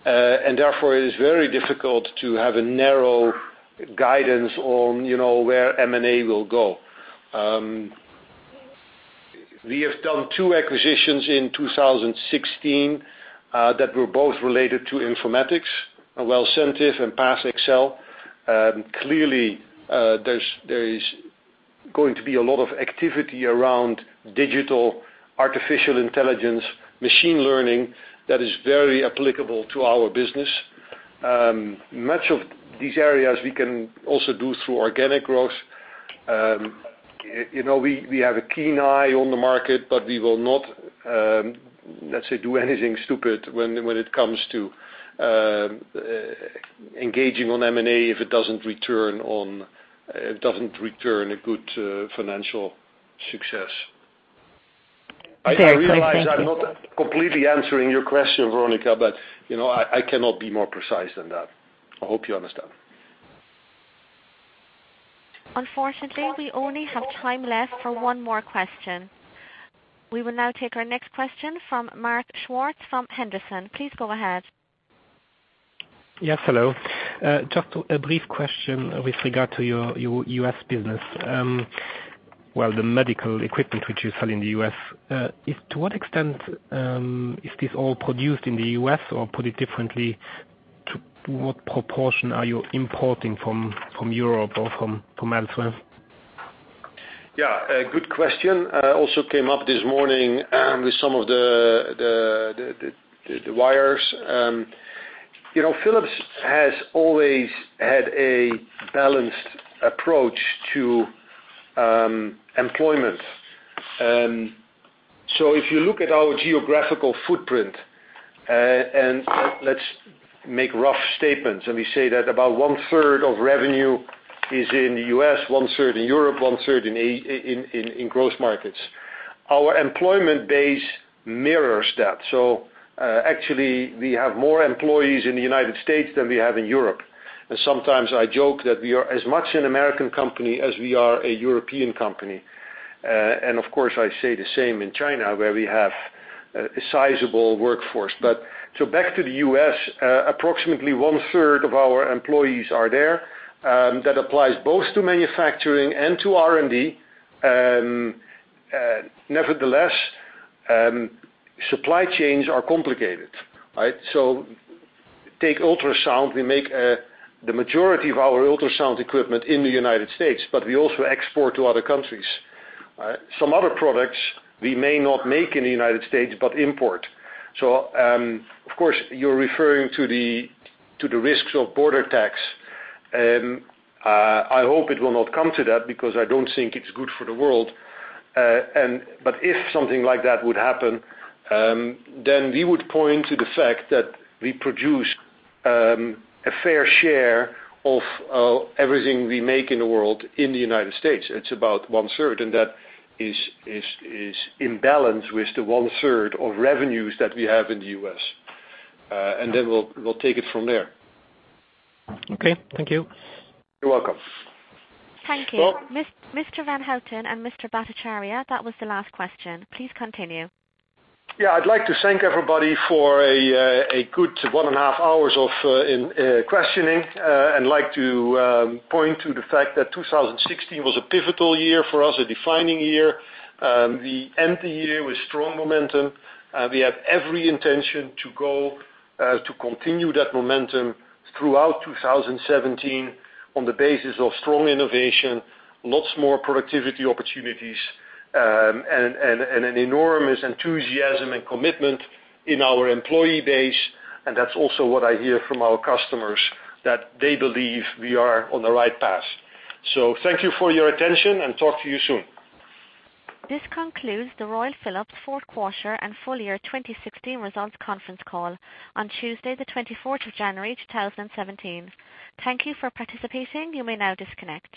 Therefore, it is very difficult to have a narrow guidance on where M&A will go. We have done two acquisitions in 2016 that were both related to informatics. Wellcentive and PathXL. Clearly, there is going to be a lot of activity around digital artificial intelligence, machine learning that is very applicable to our business. Much of these areas we can also do through organic growth. We have a keen eye on the market, but we will not, let's say, do anything stupid when it comes to engaging on M&A if it doesn't return a good financial success.
Very clear. Thank you.
I realize I'm not completely answering your question, Veronica, but I cannot be more precise than that. I hope you understand.
Unfortunately, we only have time left for one more question. We will now take our next question from Marc Schartz from Henderson. Please go ahead.
Yes, hello. Just a brief question with regard to your U.S. business. Well, the medical equipment which you sell in the U.S., to what extent is this all produced in the U.S., or put it differently, to what proportion are you importing from Europe or from elsewhere?
Yeah, good question. Also came up this morning with some of the wires. Philips has always had a balanced approach to employment. If you look at our geographical footprint, and let's make rough statements, and we say that about one third of revenue is in the U.S., one third in Europe, one third in growth markets. Our employment base mirrors that. Actually we have more employees in the United States than we have in Europe. Sometimes I joke that we are as much an American company as we are a European company. Of course I say the same in China, where we have a sizable workforce. Back to the U.S., approximately one third of our employees are there. That applies both to manufacturing and to R&D. Nevertheless, supply chains are complicated, right? Take ultrasound. We make the majority of our ultrasound equipment in the United States, but we also export to other countries. Some other products we may not make in the United States, but import. Of course you're referring to the risks of border tax. I hope it will not come to that because I don't think it's good for the world. If something like that would happen, then we would point to the fact that we produce a fair share of everything we make in the world in the United States. It's about one third. That is in balance with the one third of revenues that we have in the U.S. We'll take it from there.
Okay. Thank you.
You're welcome.
Thank you. Mr. Frans van Houten and Mr. Abhijit Bhattacharya, that was the last question. Please continue.
Yeah. I'd like to thank everybody for a good one and a half hours of questioning, and like to point to the fact that 2016 was a pivotal year for us, a defining year. We end the year with strong momentum. We have every intention to continue that momentum throughout 2017 on the basis of strong innovation, lots more productivity opportunities, and an enormous enthusiasm and commitment in our employee base. That's also what I hear from our customers, that they believe we are on the right path. Thank you for your attention and talk to you soon.
This concludes the Royal Philips fourth quarter and full year 2016 results conference call on Tuesday, the 24th of January, 2017. Thank you for participating. You may now disconnect.